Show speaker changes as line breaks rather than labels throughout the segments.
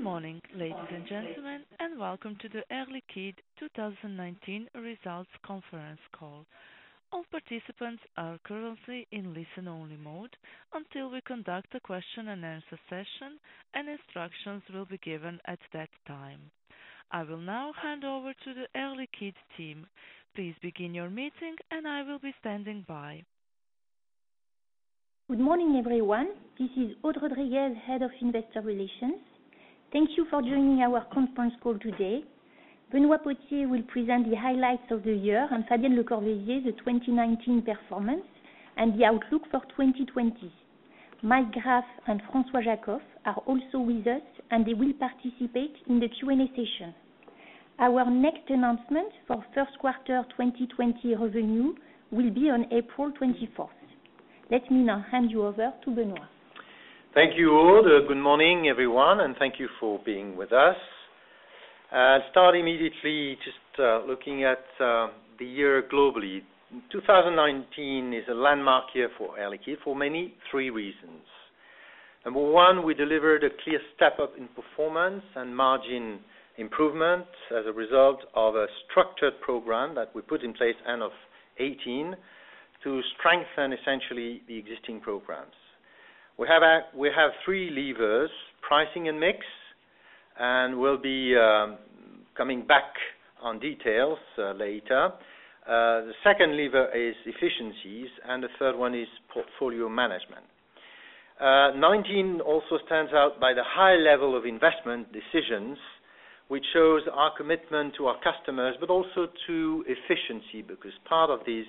Good morning, ladies and gentlemen, and welcome to the Air Liquide 2019 Results Conference Call. All participants are currently in listen-only mode until we conduct a question-and-answer session. Instructions will be given at that time. I will now hand over to the Air Liquide team. Please begin your meeting. I will be standing by.
Good morning, everyone. This is Aude Rodriguez, Head of Investor Relations. Thank you for joining our conference call today. Benoît Potier will present the highlights of the year and Fabienne Lecorvaisier the 2019 performance and the outlook for 2020. Mike Graff and François Jackow are also with us, and they will participate in the Q&A session. Our next announcement for first quarter 2020 revenue will be on April 24th. Let me now hand you over to Benoît.
Thank you, Aude. Good morning, everyone, thank you for being with us. I'll start immediately just looking at the year globally. 2019 is a landmark year for Air Liquide for many three reasons. Number one, we delivered a clear step-up in performance and margin improvement as a result of a structured program that we put in place end of 2018 to strengthen essentially the existing programs. We have three levers, pricing and mix, and we'll be coming back on details later. The second lever is efficiencies, and the third one is portfolio management. 2019 also stands out by the high level of investment decisions, which shows our commitment to our customers, but also to efficiency, because part of these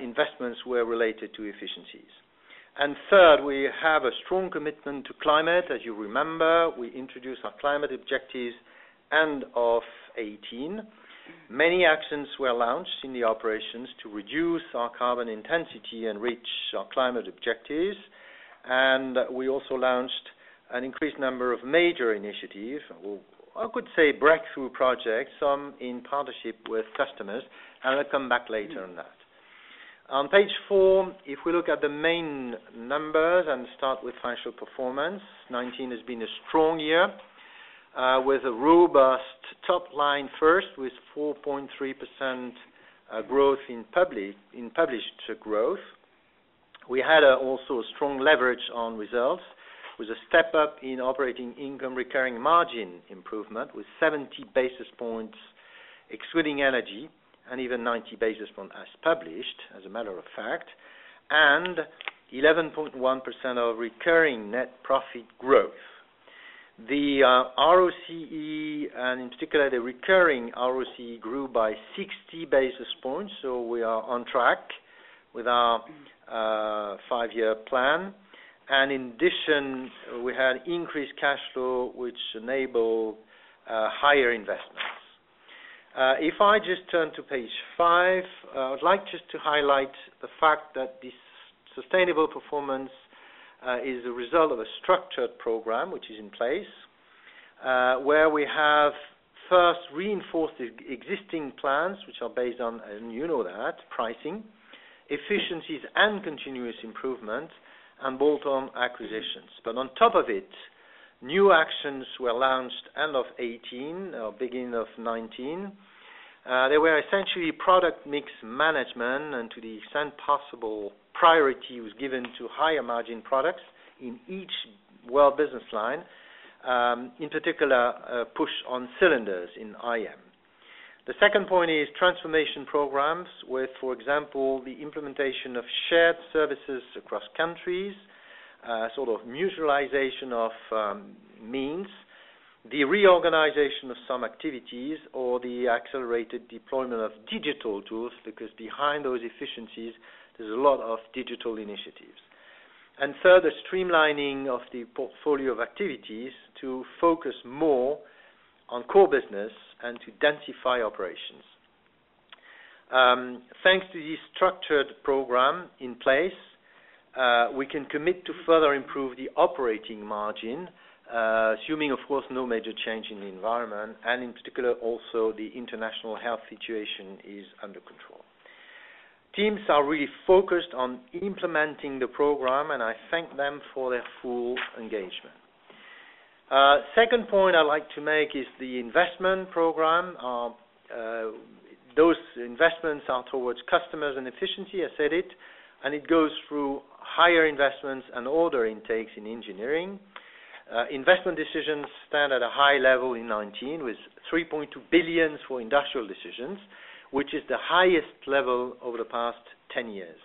investments were related to efficiencies. Third, we have a strong commitment to climate. As you remember, we introduced our climate objectives end of 2018. Many actions were launched in the operations to reduce our carbon intensity and reach our climate objectives. We also launched an increased number of major initiatives, or I could say breakthrough projects, some in partnership with customers, and I'll come back later on that. On page four, if we look at the main numbers and start with financial performance, 2019 has been a strong year with a robust top line first, with 4.3% growth in published growth. We had also a strong leverage on results with a step-up in operating income recurring margin improvement with 70 basis points excluding energy and even 90 basis point as published, as a matter of fact, and 11.1% of recurring net profit growth. The ROCE, and in particular the recurring ROCE, grew by 60 basis points, we are on track with our five-year plan. In addition, we had increased cash flow which enable higher investments. If I just turn to page five, I would like just to highlight the fact that this sustainable performance is a result of a structured program which is in place where we have first reinforced existing plans, which are based on, and you know that, pricing, efficiencies, and continuous improvement, and bolt-on acquisitions. On top of it, new actions were launched end of 2018 or beginning of 2019. They were essentially product mix management, and to the extent possible, priority was given to higher margin products in each world business line. In particular, a push on cylinders in IM. The second point is transformation programs with, for example, the implementation of shared services across countries, sort of mutualization of means, the reorganization of some activities or the accelerated deployment of digital tools, because behind those efficiencies, there's a lot of digital initiatives. Further streamlining of the portfolio of activities to focus more on core business and to densify operations. Thanks to the structured program in place, we can commit to further improve the operating margin, assuming, of course, no major change in the environment, and in particular, also the international health situation is under control. Teams are really focused on implementing the program, and I thank them for their full engagement. Second point I'd like to make is the investment program. Those investments are towards customers and efficiency, I said it, and it goes through higher investments and order intakes in engineering. Investment decisions stand at a high level in 2019 with 3.2 billion for industrial decisions, which is the highest level over the past 10 years.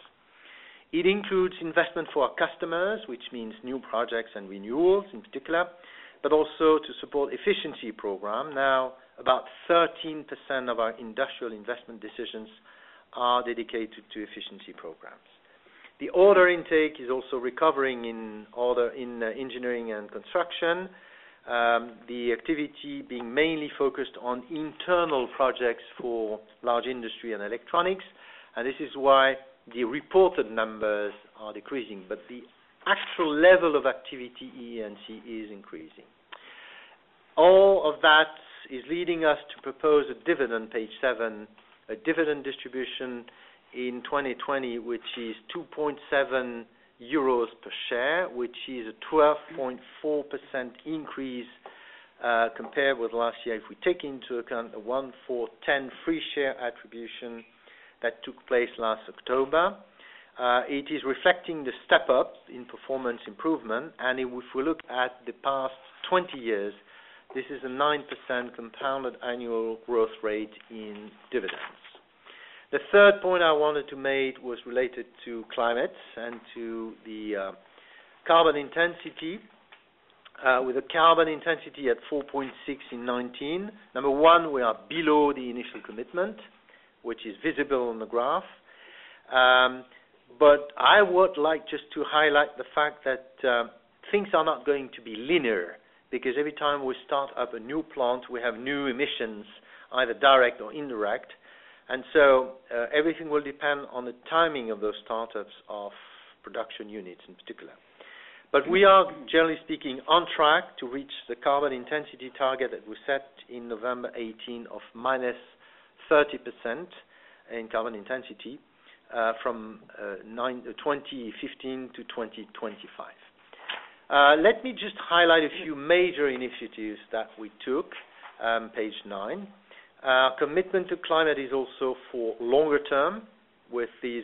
It includes investment for our customers, which means new projects and renewals in particular, but also to support efficiency program. Now about 13% of our industrial investment decisions are dedicated to efficiency programs. The order intake is also recovering in engineering and construction. The activity being mainly focused on internal projects for large industry and electronics, this is why the reported numbers are decreasing. The actual level of activity E&C is increasing. All of that is leading us to propose a dividend, page seven, a dividend distribution in 2020, which is 2.7 euros per share, which is a 12.4% increase compared with last year. If we take into account the 1,410 free share attribution that took place last October, it is reflecting the step-up in performance improvement, and if we look at the past 20 years, this is a 9% compounded annual growth rate in dividends. The third point I wanted to make was related to climate and to the carbon intensity. With the carbon intensity at 4.6 in 2019. Number one, we are below the initial commitment, which is visible on the graph. I would like just to highlight the fact that things are not going to be linear, because every time we start up a new plant, we have new emissions, either direct or indirect. Everything will depend on the timing of those startups of production units in particular. We are, generally speaking, on track to reach the carbon intensity target that we set in November 2018 of -30% in carbon intensity, from 2015-2025. Let me just highlight a few major initiatives that we took, page nine. Commitment to climate is also for longer term with these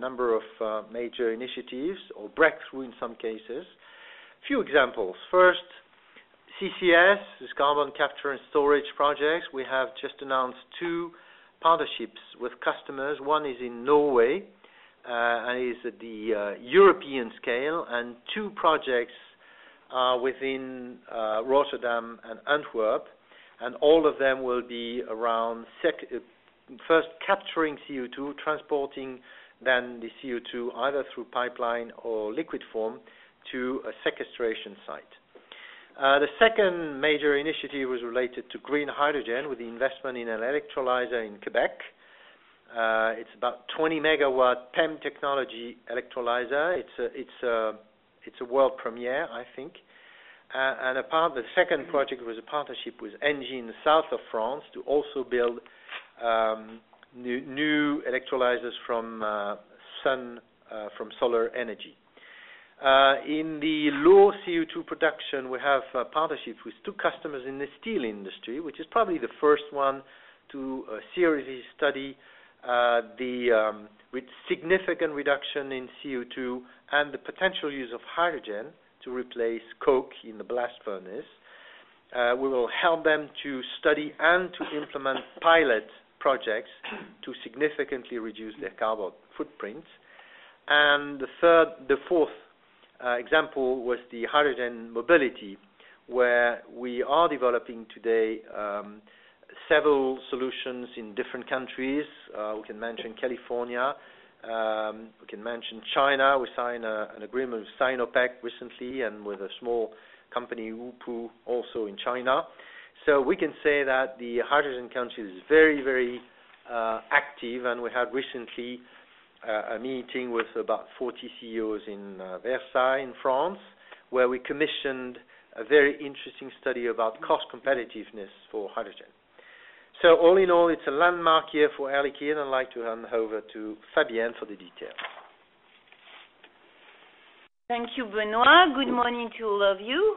number of major initiatives or breakthrough in some cases. Few examples. First, CCS, this carbon capture and storage projects. We have just announced two partnerships with customers. One is in Norway, and is the European scale, and two projects are within Rotterdam and Antwerp, and all of them will be around first capturing CO2, transporting then the CO2, either through pipeline or liquid form, to a sequestration site. The second major initiative was related to green hydrogen with the investment in an electrolyzer in Quebec. It's about 20 MW PEM technology electrolyzer. It's a world premiere, I think. The second project was a partnership with Engie in the South of France to also build new electrolyzers from solar energy. In the low-CO2 production, we have a partnership with two customers in the steel industry, which is probably the first one to seriously study with significant reduction in CO2 and the potential use of hydrogen to replace coke in the blast furnace. We will help them to study and to implement pilot projects to significantly reduce their carbon footprint. The fourth example was the hydrogen mobility, where we are developing today several solutions in different countries. We can mention California. We can mention China. We signed an agreement with Sinopec recently and with a small company, Houpu, also in China. We can say that the Hydrogen Council is very active, and we had recently a meeting with about 40 CEOs in Versailles, in France, where we commissioned a very interesting study about cost competitiveness for hydrogen. All in all, it's a landmark year for Air Liquide, and I'd like to hand over to Fabienne for the details.
Thank you, Benoît. Good morning to all of you.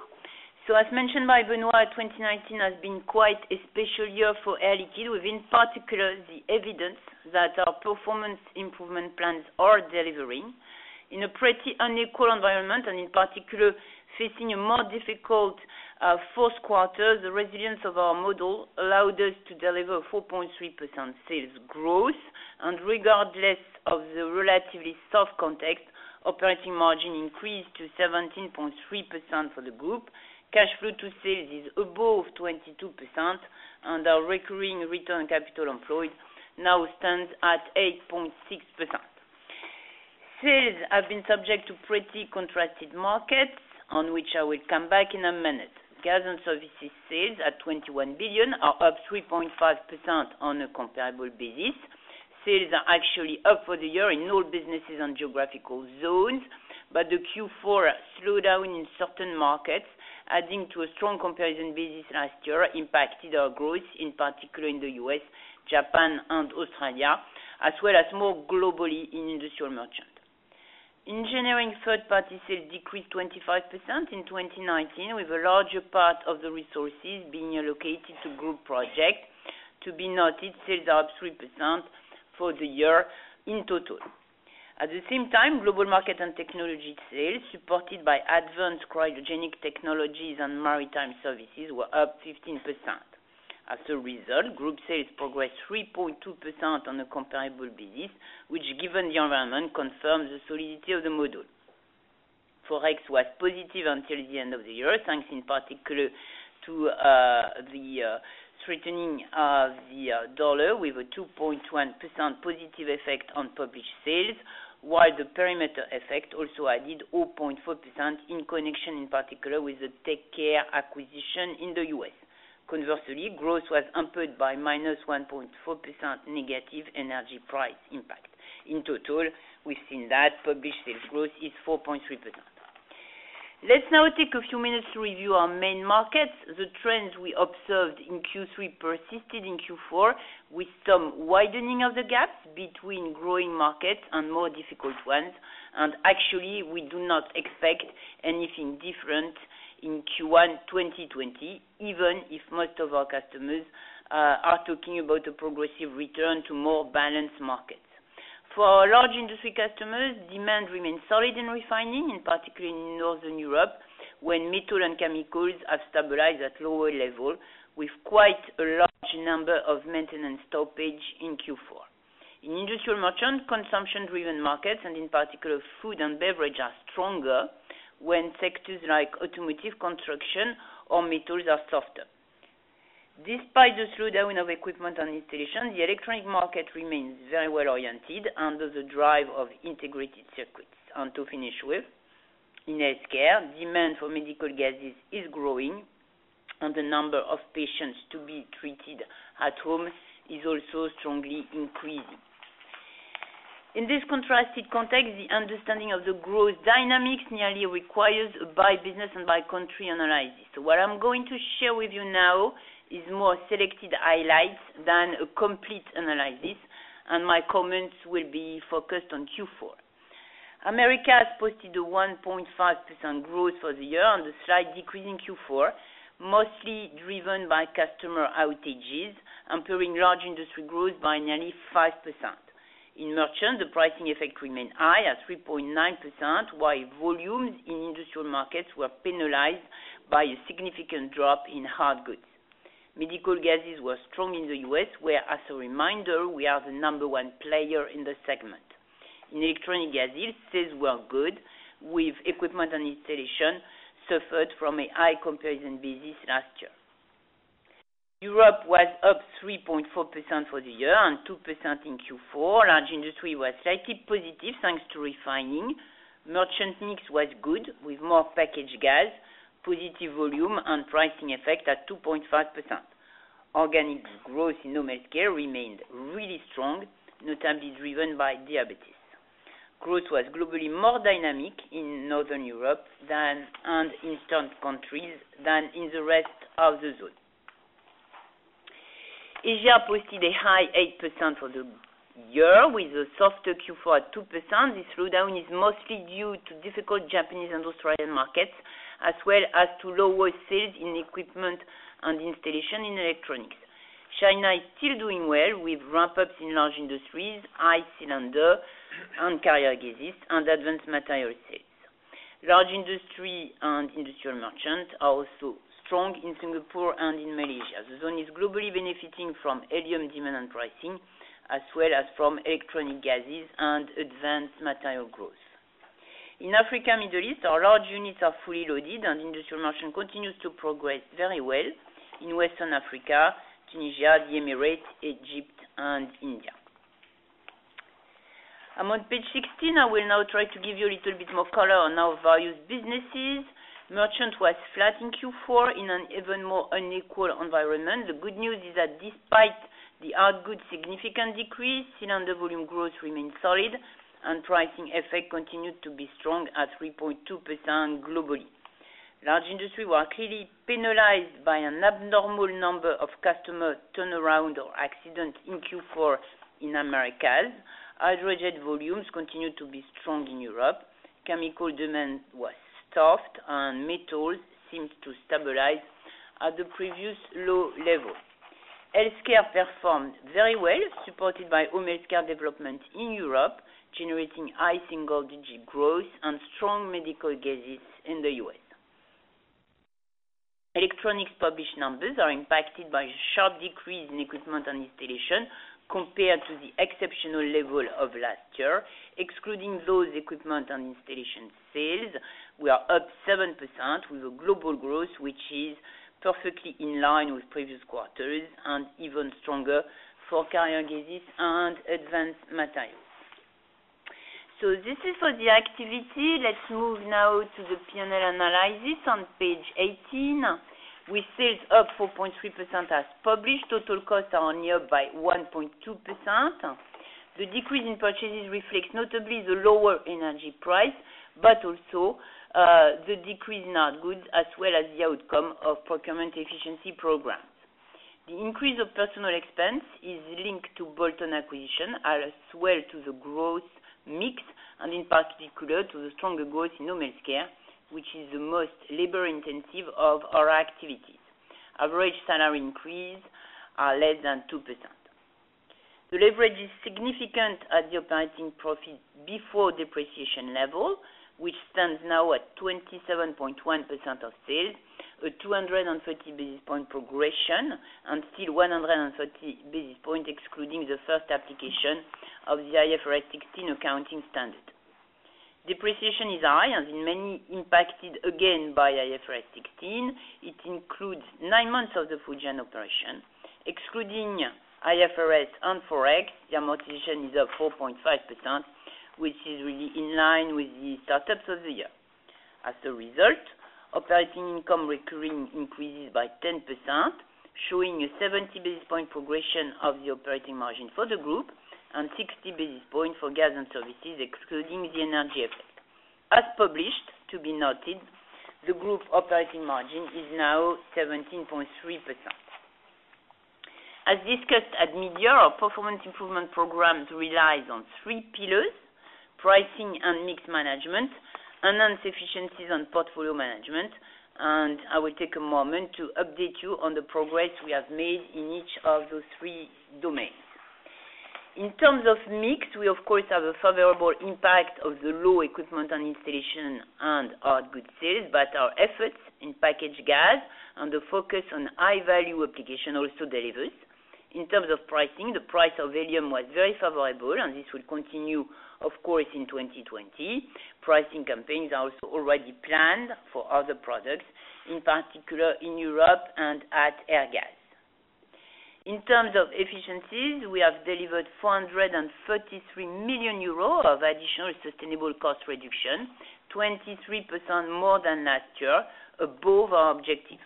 As mentioned by Benoît, 2019 has been quite a special year for Air Liquide, with in particular the evidence that our performance improvement plans are delivering. In a pretty unequal environment, and in particular facing a more difficult fourth quarter, the resilience of our model allowed us to deliver 4.3% sales growth, and regardless of the relatively soft context, operating margin increased to 17.3% for the group. Cash flow to sales is above 22%, and our recurring return on capital employed now stands at 8.6%. Sales have been subject to pretty contrasted markets, on which I will come back in a minute. Gas and services sales at 21 billion are up 3.5% on a comparable basis. Sales are actually up for the year in all businesses and geographical zones, the Q4 slowdown in certain markets, adding to a strong comparison basis last year impacted our growth, in particular in the U.S., Japan, and Australia, as well as more globally in Industrial Merchant. Engineering third party sales decreased 25% in 2019, with a larger part of the resources being allocated to Group projects. To be noted, sales are up 3% for the year in total. At the same time, Global Markets & Technologies sales, supported by advanced cryogenic technologies and maritime services, were up 15%. As a result, Group sales progressed 3.2% on a comparable basis, which given the environment, confirms the solidity of the model. Forex was positive until the end of the year, thanks in particular to the strengthening of the U.S. dollar with a 2.1% positive effect on published sales, while the perimeter effect also added 0.4% in connection in particular with the TakeCare acquisition in the U.S. Conversely, growth was hampered by -1.4% negative energy price impact. In total, we've seen that published sales growth is 4.3%. Let's now take a few minutes to review our main markets. The trends we observed in Q3 persisted in Q4, with some widening of the gap between growing markets and more difficult ones. Actually, we do not expect anything different in Q1 2020, even if most of our customers are talking about a progressive return to more balanced markets. For our large industry customers, demand remains solid in refining, and particularly in Northern Europe, when metal and chemicals have stabilized at lower level, with quite a large number of maintenance stoppage in Q4. In Industrial Merchant, consumption-driven markets, and in particular food and beverage, are stronger when sectors like automotive, construction, or metals are softer. Despite the slowdown of equipment and installation, the Electronics market remains very well-oriented under the drive of integrated circuits. To finish with, in Healthcare, demand for medical gases is growing, and the number of patients to be treated at home is also strongly increasing. In this contrasted context, the understanding of the growth dynamics nearly requires a by business and by country analysis. What I'm going to share with you now is more selected highlights than a complete analysis, and my comments will be focused on Q4. Americas posted a 1.5% growth for the year and a slight decrease in Q4, mostly driven by customer outages, impairing large industry growth by nearly 5%. In merchant, the pricing effect remained high at 3.9%, while volumes in industrial markets were penalized by a significant drop in hard goods. Medical gases were strong in the U.S., where, as a reminder, we are the number one player in the segment. In electronic gases, sales were good, with equipment and installation suffered from a high comparison basis last year. Europe was up 3.4% for the year and 2% in Q4. Large industry was slightly positive, thanks to refining. Merchant mix was good, with more packaged gas, positive volume, and pricing effect at 2.5%. Organic growth in home healthcare remained really strong, notably driven by diabetes. Growth was globally more dynamic in Northern Europe and Eastern countries than in the rest of the zone. Asia posted a high 8% for the year, with a softer Q4 at 2%. This slowdown is mostly due to difficult Japanese and Australian markets, as well as to lower sales in equipment and installation in electronics. China is still doing well, with ramp-ups in large industries, high cylinder and carrier gases, and advanced material sales. Large industry and industrial merchant are also strong in Singapore and in Malaysia. The zone is globally benefiting from helium demand and pricing, as well as from electronic gases and advanced material growth. In Africa and Middle East, our large units are fully loaded and industrial merchant continues to progress very well in Western Africa, Tunisia, the Emirates, Egypt, and India. I'm on page 16. I will now try to give you a little bit more color on our various businesses. Merchant was flat in Q4 in an even more unequal environment. The good news is that despite the hard goods significant decrease, cylinder volume growth remains solid, and pricing effect continued to be strong at 3.2% globally. Large Industry was clearly penalized by an abnormal number of customer turnaround or accident in Q4 in Americas. Hydrogen volumes continued to be strong in Europe. Chemical demand was soft, and metals seems to stabilize at the previous low level. Healthcare performed very well, supported by home healthcare development in Europe, generating high single-digit growth and strong medical gases in the U.S. Electronics published numbers are impacted by a sharp decrease in equipment and installation compared to the exceptional level of last year. Excluding those equipment and installation sales, we are up 7% with a global growth which is perfectly in line with previous quarters and even stronger for carrier gases and advanced materials. This is for the activity. Let's move now to the P&L analysis on page 18. With sales up 4.3% as published, total costs are nearby 1.2%. The decrease in purchases reflects notably the lower energy price, but also the decrease in hard goods, as well as the outcome of procurement efficiency programs. The increase of personnel expense is linked to bolt-on acquisition, as well to the growth mix and in particular to the stronger growth in home healthcare, which is the most labor-intensive of our activities. Average salary increase are less than 2%. The leverage is significant at the operating profit before depreciation level, which stands now at 27.1% of sales, a 230 basis points progression, and still 130 basis points excluding the first application of the IFRS 16 accounting standard. Depreciation is high and in many impacted again by IFRS 16. It includes nine months of the Fujian operation. Excluding IFRS and forex, the amortization is up 4.5%, which is really in line with the startups of the year. As a result, operating income recurring increases by 10%, showing a 70 basis points progression of the operating margin for the group and 60 basis points for Gas and Services, excluding the energy effect. As published, to be noted, the group operating margin is now 17.3%. As discussed at mid-year, our performance improvement programs relies on three pillars, pricing and mix management, and then efficiencies and portfolio management. I will take a moment to update you on the progress we have made in each of those three domains. In terms of mix, we of course have a favorable impact of the low equipment and installation and hard goods sales, but our efforts in packaged gas and the focus on high-value application also delivers. In terms of pricing, the price of helium was very favorable, and this will continue, of course, in 2020. Pricing campaigns are also already planned for other products, in particular, in Europe and at Airgas. In terms of efficiencies, we have delivered 433 million euros of additional sustainable cost reduction, 23% more than last year, above our objectives.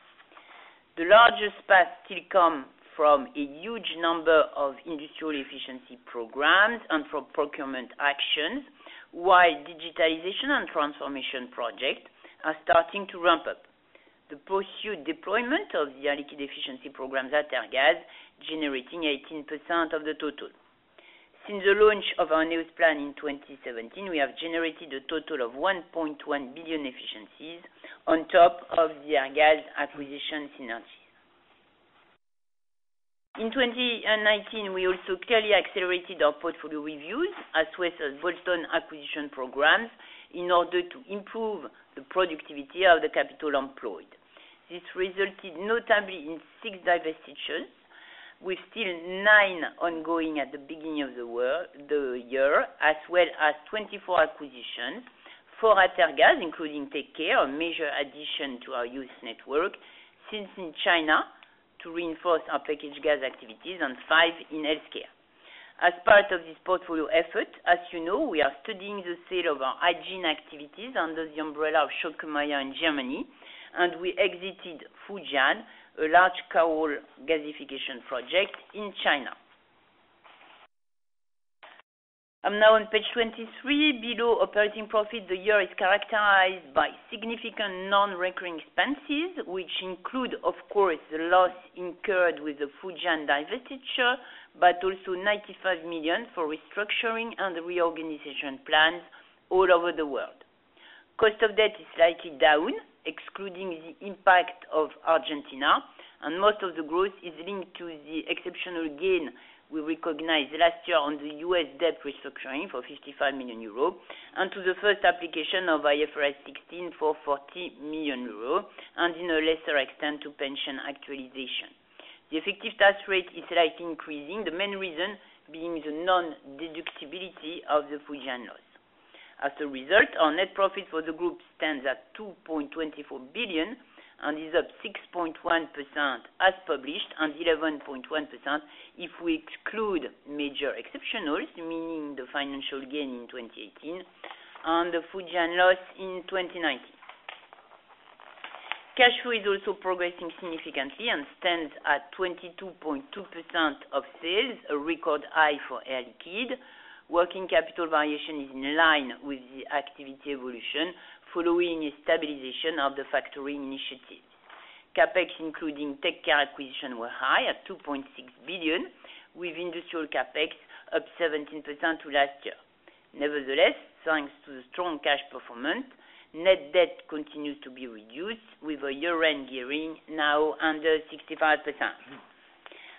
The largest part still come from a huge number of industrial efficiency programs and from procurement actions, while digitalization and transformation projects are starting to ramp up. The pursued deployment of the Air Liquide efficiency programs at Airgas, generating 18% of the total. Since the launch of our new plan in 2017, we have generated a total of 1.1 billion efficiencies on top of the Airgas acquisition synergy. In 2019, we also clearly accelerated our portfolio reviews, as well as bolt-on acquisition programs in order to improve the productivity of the capital employed. This resulted notably in six divestitures, with still nine ongoing at the beginning of the year, as well as 24 acquisitions, four at Airgas, including Take Care, a major addition to our U.S. network, since in China, to reinforce our packaged gas activities, and five in healthcare. As part of this portfolio effort, as you know, we are studying the sale of our hygiene activities under the umbrella of Schülke & Mayr in Germany, and we exited Fujian, a large coal gasification project in China. I'm now on page 23. Below operating profit, the year is characterized by significant non-recurring expenses, which include, of course, the loss incurred with the Fujian divestiture, but also 95 million for restructuring and reorganization plans all over the world. Cost of debt is slightly down, excluding the impact of Argentina, and most of the growth is linked to the exceptional gain we recognized last year on the U.S. debt restructuring for 55 million euros, and to the first application of IFRS 16 for 40 million euros, and to a lesser extent, to pension actualization. The effective tax rate is slightly increasing, the main reason being the non-deductibility of the Fujian loss. As a result, our net profit for the group stands at 2.24 billion and is up 6.1% as published and 11.1% if we exclude major exceptionals, meaning the financial gain in 2018 and the Fujian loss in 2019. Cash flow is also progressing significantly and stands at 22.2% of sales, a record high for Air Liquide. Working capital variation is in line with the activity evolution following a stabilization of the factory initiative. CapEx, including Take Care acquisition, were high at 2.6 billion, with industrial CapEx up 17% to last year. Nevertheless, thanks to the strong cash performance, net debt continues to be reduced with a year-end gearing now under 65%.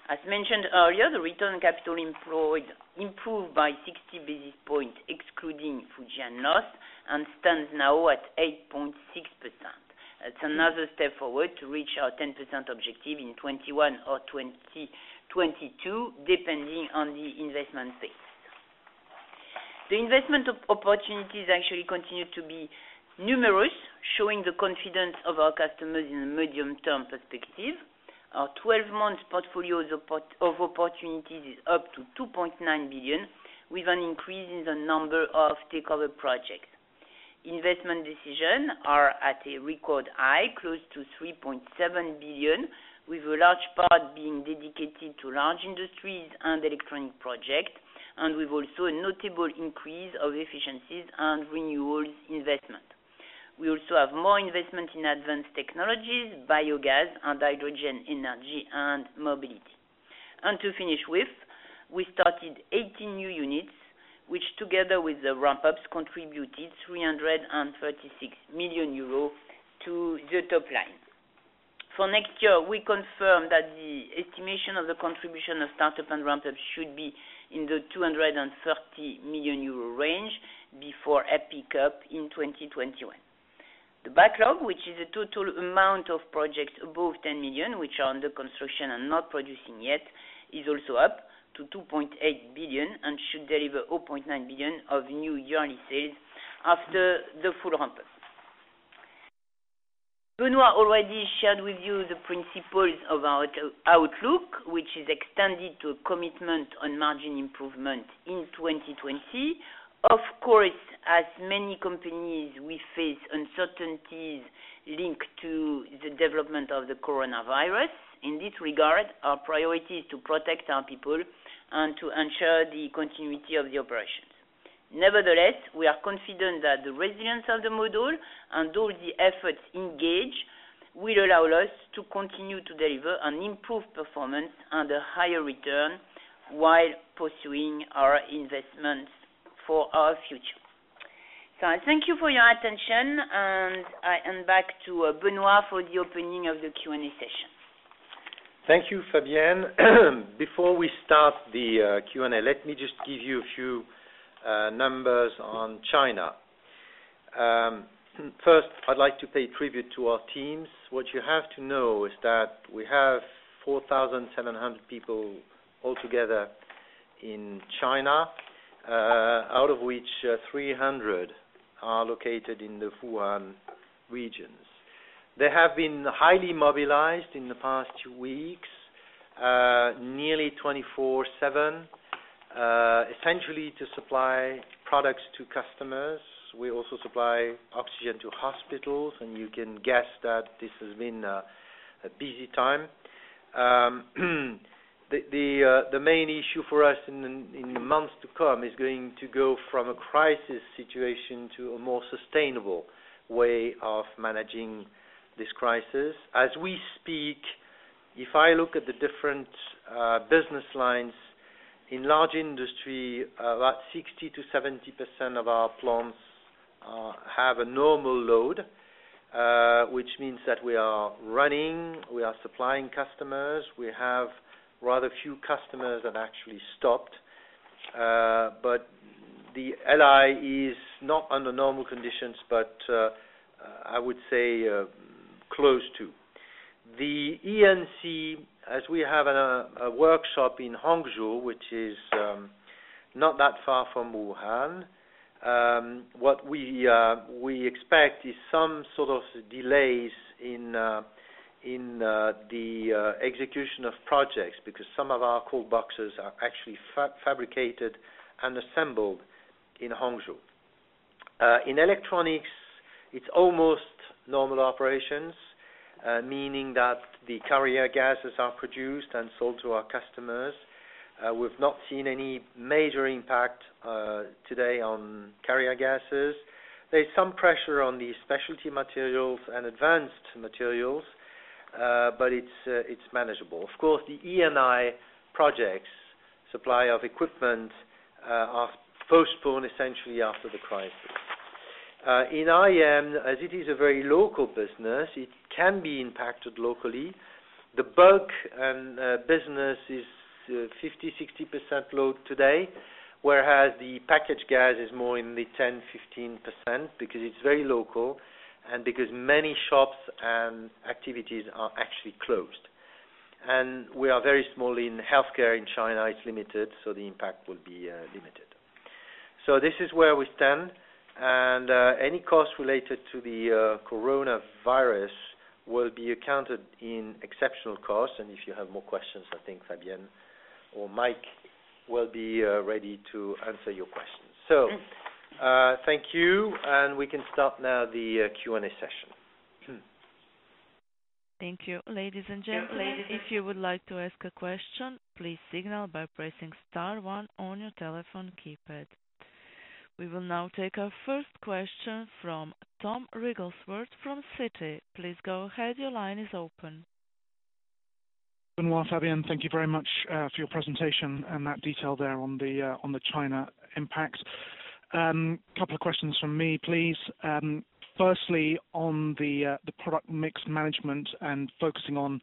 As mentioned earlier, the return on capital employed improved by 60 basis points excluding Fujian loss and stands now at 8.6%. That's another step forward to reach our 10% objective in 2021 or 2022, depending on the investment pace. The investment opportunities actually continue to be numerous, showing the confidence of our customers in the medium-term perspective. Our 12-month portfolio of opportunities is up to 2.9 billion, with an increase in the number of takeover projects. Investment decisions are at a record high, close to 3.7 billion, with a large part being dedicated to Large Industries and Electronics projects, and with also a notable increase of efficiencies and renewals investment. We also have more investment in advanced technologies, biogas, and hydrogen energy and mobility. To finish with, we started 80 new units, which together with the ramp-ups, contributed 336 million euros to the top line. For next year, we confirm that the estimation of the contribution of start-up and ramp-ups should be in the 230 million euro range before a pickup in 2021. The backlog, which is the total amount of projects above 10 million, which are under construction and not producing yet, is also up to 2.8 billion and should deliver 0.9 billion of new yearly sales after the full ramp-up. Benoît already shared with you the principles of our outlook, which is extended to a commitment on margin improvement in 2020. Of course, as many companies, we face uncertainties linked to the development of the coronavirus. In this regard, our priority is to protect our people and to ensure the continuity of the operations. Nevertheless, we are confident that the resilience of the model and all the efforts engaged will allow us to continue to deliver an improved performance and a higher return while pursuing our investments for our future. Thank you for your attention, and back to Benoît for the opening of the Q&A session.
Thank you, Fabienne. Before we start the Q&A, let me just give you a few numbers on China. First, I'd like to pay tribute to our teams. What you have to know is that we have 4,700 people altogether in China, out of which 300 are located in the Wuhan regions. They have been highly mobilized in the past two weeks, nearly 24/7, essentially to supply products to customers. We also supply oxygen to hospitals, and you can guess that this has been a busy time. The main issue for us in the months to come is going to go from a crisis situation to a more sustainable way of managing this crisis. As we speak, if I look at the different business lines, in large industry, about 60%-70% of our plants have a normal load, which means that we are running, we are supplying customers. We have rather few customers that actually stopped. The LI is not under normal conditions, but I would say close to. The E&C, as we have a workshop in Hangzhou, which is not that far from Wuhan, what we expect is some sort of delays in the execution of projects, because some of our cold boxes are actually fabricated and assembled in Hangzhou. In electronics, it's almost normal operations, meaning that the carrier gases are produced and sold to our customers. We've not seen any major impact today on carrier gases. There's some pressure on the specialty materials and advanced materials, but it's manageable. Of course, the E&I projects, supply of equipment, are postponed essentially after the crisis. In IM, as it is a very local business, it can be impacted locally. The bulk business is 50%, 60% load today, whereas the packaged gas is more in the 10%, 15%, because it's very local, and because many shops and activities are actually closed. We are very small in healthcare in China. It's limited, the impact will be limited. This is where we stand, and any cost related to the coronavirus will be accounted in exceptional costs. If you have more questions, I think Fabienne or Mike will be ready to answer your questions. Thank you, and we can start now the Q&A session.
Thank you. Ladies and gentlemen, if you would like to ask a question, please signal by pressing star one on your telephone keypad. We will now take our first question from Tom Wrigglesworth from Citi. Please go ahead. Your line is open.
Benoît, Fabienne, thank you very much for your presentation and that detail there on the China impact. Couple of questions from me, please. Firstly, on the product mix management and focusing on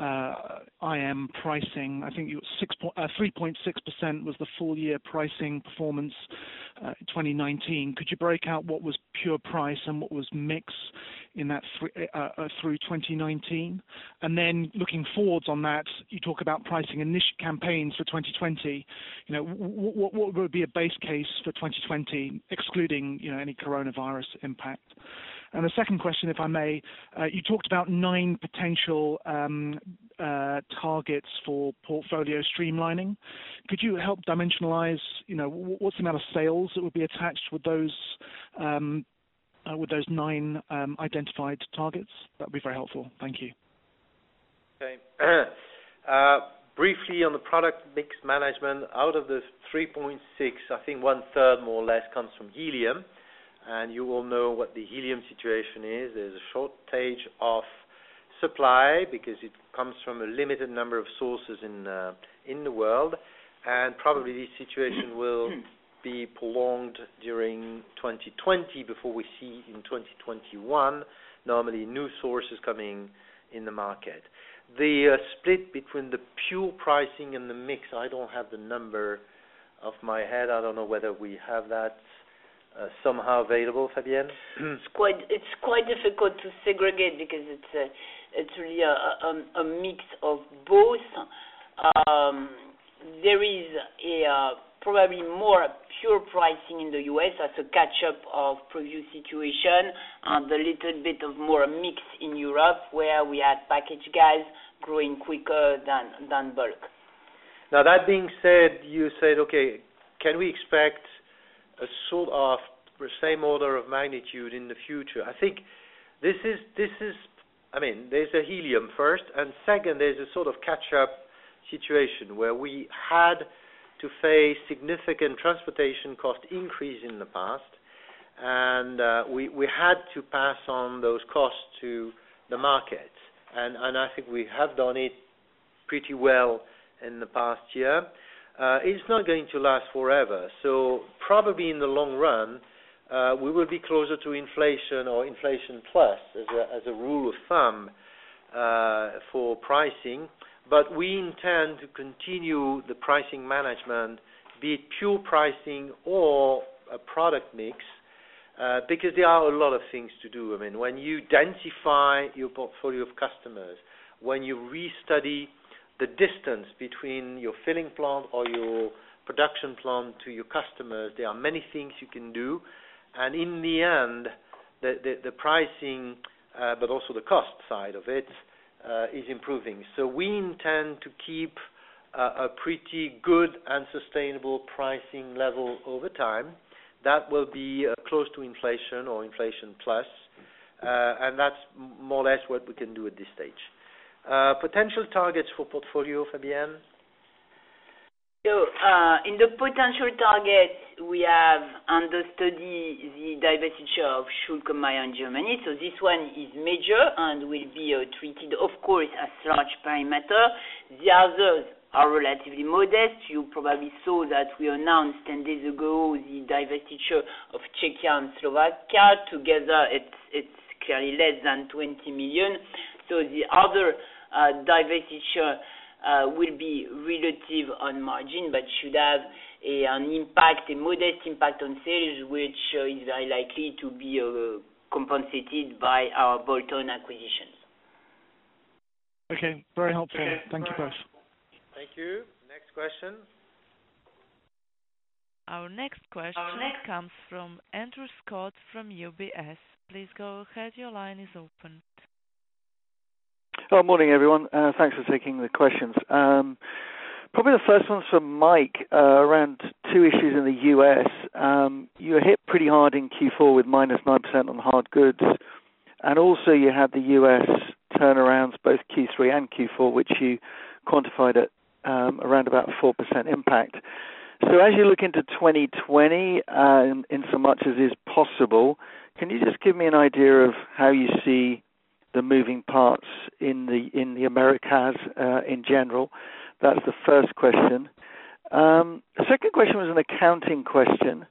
IM pricing, I think 3.6% was the full-year pricing performance 2019. Could you break out what was pure price and what was mix through 2019? Looking forwards on that, you talk about pricing campaigns for 2020. What would be a base case for 2020, excluding any coronavirus impact? A second question, if I may. You talked about nine potential targets for portfolio streamlining. Could you help dimensionalize what's the amount of sales that would be attached with those nine identified targets? That'd be very helpful. Thank you.
Okay. Briefly on the product mix management, out of the 3.6%, I think 1/3, more or less, comes from helium. You all know what the helium situation is. There's a shortage of supply because it comes from a limited number of sources in the world, and probably this situation will be prolonged during 2020 before we see in 2021, normally, new sources coming in the market. The split between the pure pricing and the mix, I don't have the number off my head. I don't know whether we have that somehow available, Fabienne?
It's quite difficult to segregate because it's really a mix of both. There is probably more pure pricing in the U.S. as a catch-up of previous situation, and a little bit of more mix in Europe, where we had packaged gas growing quicker than bulk.
That being said, you said, can we expect a sort of the same order of magnitude in the future? I think there's the helium first, and second, there's a sort of catch-up situation where we had to face significant transportation cost increase in the past. We had to pass on those costs to the market. I think we have done it pretty well in the past year. It's not going to last forever. Probably in the long run, we will be closer to inflation or inflation plus as a rule of thumb for pricing. We intend to continue the pricing management, be it pure pricing or a product mix, because there are a lot of things to do. When you densify your portfolio of customers, when you restudy the distance between your filling plant or your production plant to your customers, there are many things you can do. In the end, the pricing, but also the cost side of it, is improving. We intend to keep a pretty good and sustainable pricing level over time that will be close to inflation or inflation plus. That's more or less what we can do at this stage. Potential targets for portfolio, Fabienne?
In the potential targets, we have under study the divestiture of Schülke & Mayr in Germany. This one is major and will be treated, of course, as large parameter. The others are relatively modest. You probably saw that we announced 10 days ago the divestiture of Czechia and Slovakia. Together, it's clearly less than 20 million. The other divestiture will be relative on margin, but should have a modest impact on sales, which is very likely to be compensated by our bolt-on acquisitions.
Okay. Very helpful. Thank you both.
Thank you. Next question.
Our next question comes from Andrew Stott from UBS. Please go ahead. Your line is open.
Hello, morning, everyone. Thanks for taking the questions. Probably the first one's from Mike around two issues in the U.S. You were hit pretty hard in Q4 with -9% on hard goods. Also you had the U.S. turnarounds both Q3 and Q4, which you quantified at around about 4% impact. As you look into 2020, in so much as is possible, can you just give me an idea of how you see the moving parts in the Americas in general? That's the first question. The second question was an accounting question.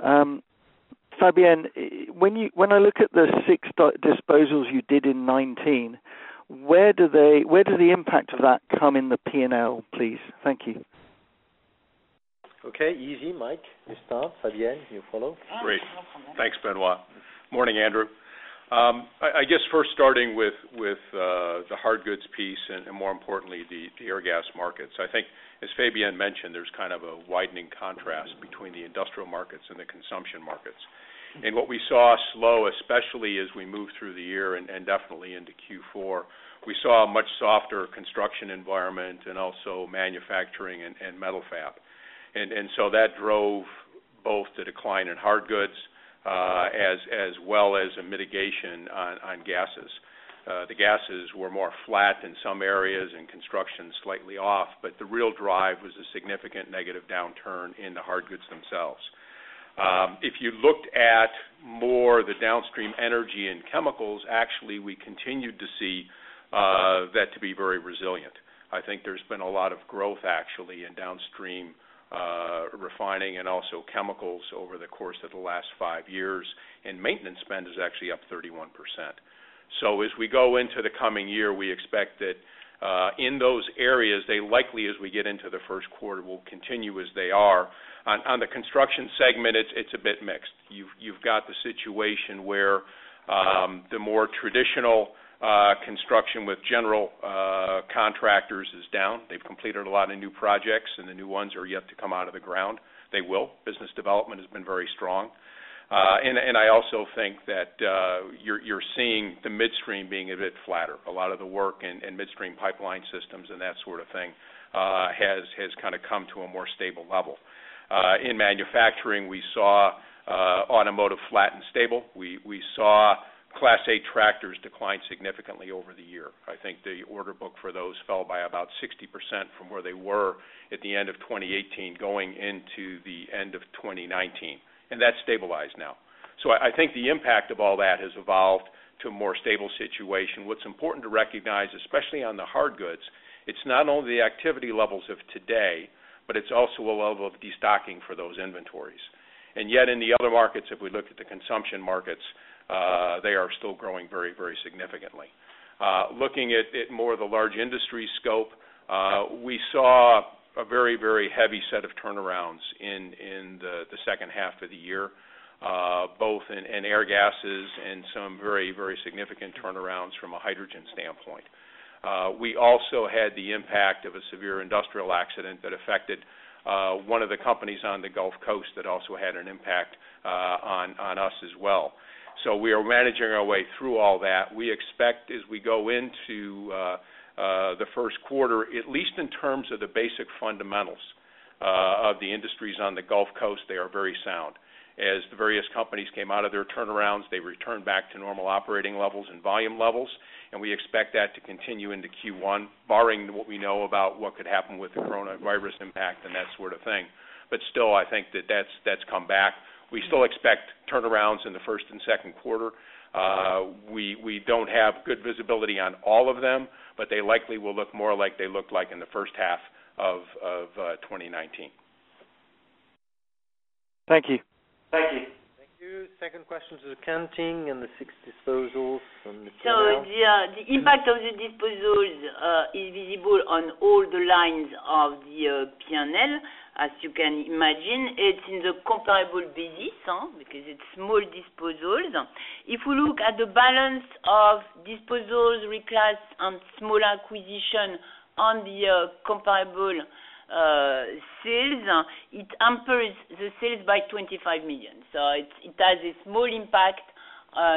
Fabienne, when I look at the six disposals you did in 2019, where did the impact of that come in the P&L, please? Thank you.
Okay. Easy, Mike. We start, Fabienne, you follow.
Great. Thanks, Benoît. Morning, Andrew. I guess first starting with the hard goods piece and more importantly, the Airgas markets. I think as Fabienne mentioned, there's kind of a widening contrast between the industrial markets and the consumption markets. What we saw slow, especially as we moved through the year and definitely into Q4, we saw a much softer construction environment and also manufacturing and metal fab. That drove both the decline in hard goods, as well as a mitigation on gases. The gases were more flat in some areas and construction slightly off, but the real drive was a significant negative downturn in the hard goods themselves. If you looked at more the downstream energy and chemicals, actually, we continued to see that to be very resilient. I think there's been a lot of growth actually in downstream refining and also chemicals over the course of the last five years. Maintenance spend is actually up 31%. As we go into the coming year, we expect that in those areas, they likely, as we get into the first quarter, will continue as they are. On the construction segment, it's a bit mixed. You've got the situation where the more traditional construction with general contractors is down. They've completed a lot of new projects. The new ones are yet to come out of the ground. They will. Business development has been very strong. I also think that you're seeing the midstream being a bit flatter. A lot of the work in midstream pipeline systems and that sort of thing has kind of come to a more stable level. In manufacturing, we saw automotive flat and stable. We saw Class A tractors decline significantly over the year. I think the order book for those fell by about 60% from where they were at the end of 2018 going into the end of 2019. That's stabilized now. I think the impact of all that has evolved to a more stable situation. What's important to recognize, especially on the hard goods, it's not only the activity levels of today, but it's also a level of destocking for those inventories. Yet in the other markets, if we look at the consumption markets, they are still growing very, very significantly. Looking at more of the large industry scope, we saw a very, very heavy set of turnarounds in the second half of the year. Both in Airgas and some very, very significant turnarounds from a hydrogen standpoint. We also had the impact of a severe industrial accident that affected one of the companies on the Gulf Coast that also had an impact on us as well. We are managing our way through all that. We expect as we go into the first quarter, at least in terms of the basic fundamentals of the industries on the Gulf Coast, they are very sound. As the various companies came out of their turnarounds, they returned back to normal operating levels and volume levels, and we expect that to continue into Q1, barring what we know about what could happen with the coronavirus impact and that sort of thing. Still, I think that's come back. We still expect turnarounds in the first and second quarter. We don't have good visibility on all of them, but they likely will look more like they looked like in the first half of 2019.
Thank you.
Thank you.
Thank you. Second question to the accounting and the six disposals from.
The impact of the disposals is visible on all the lines of the P&L. As you can imagine, it's in the comparable business, because it's small disposals. If you look at the balance of disposals, reclass, and small acquisition on the comparable sales, it hampers the sales by 25 million. It has a small impact,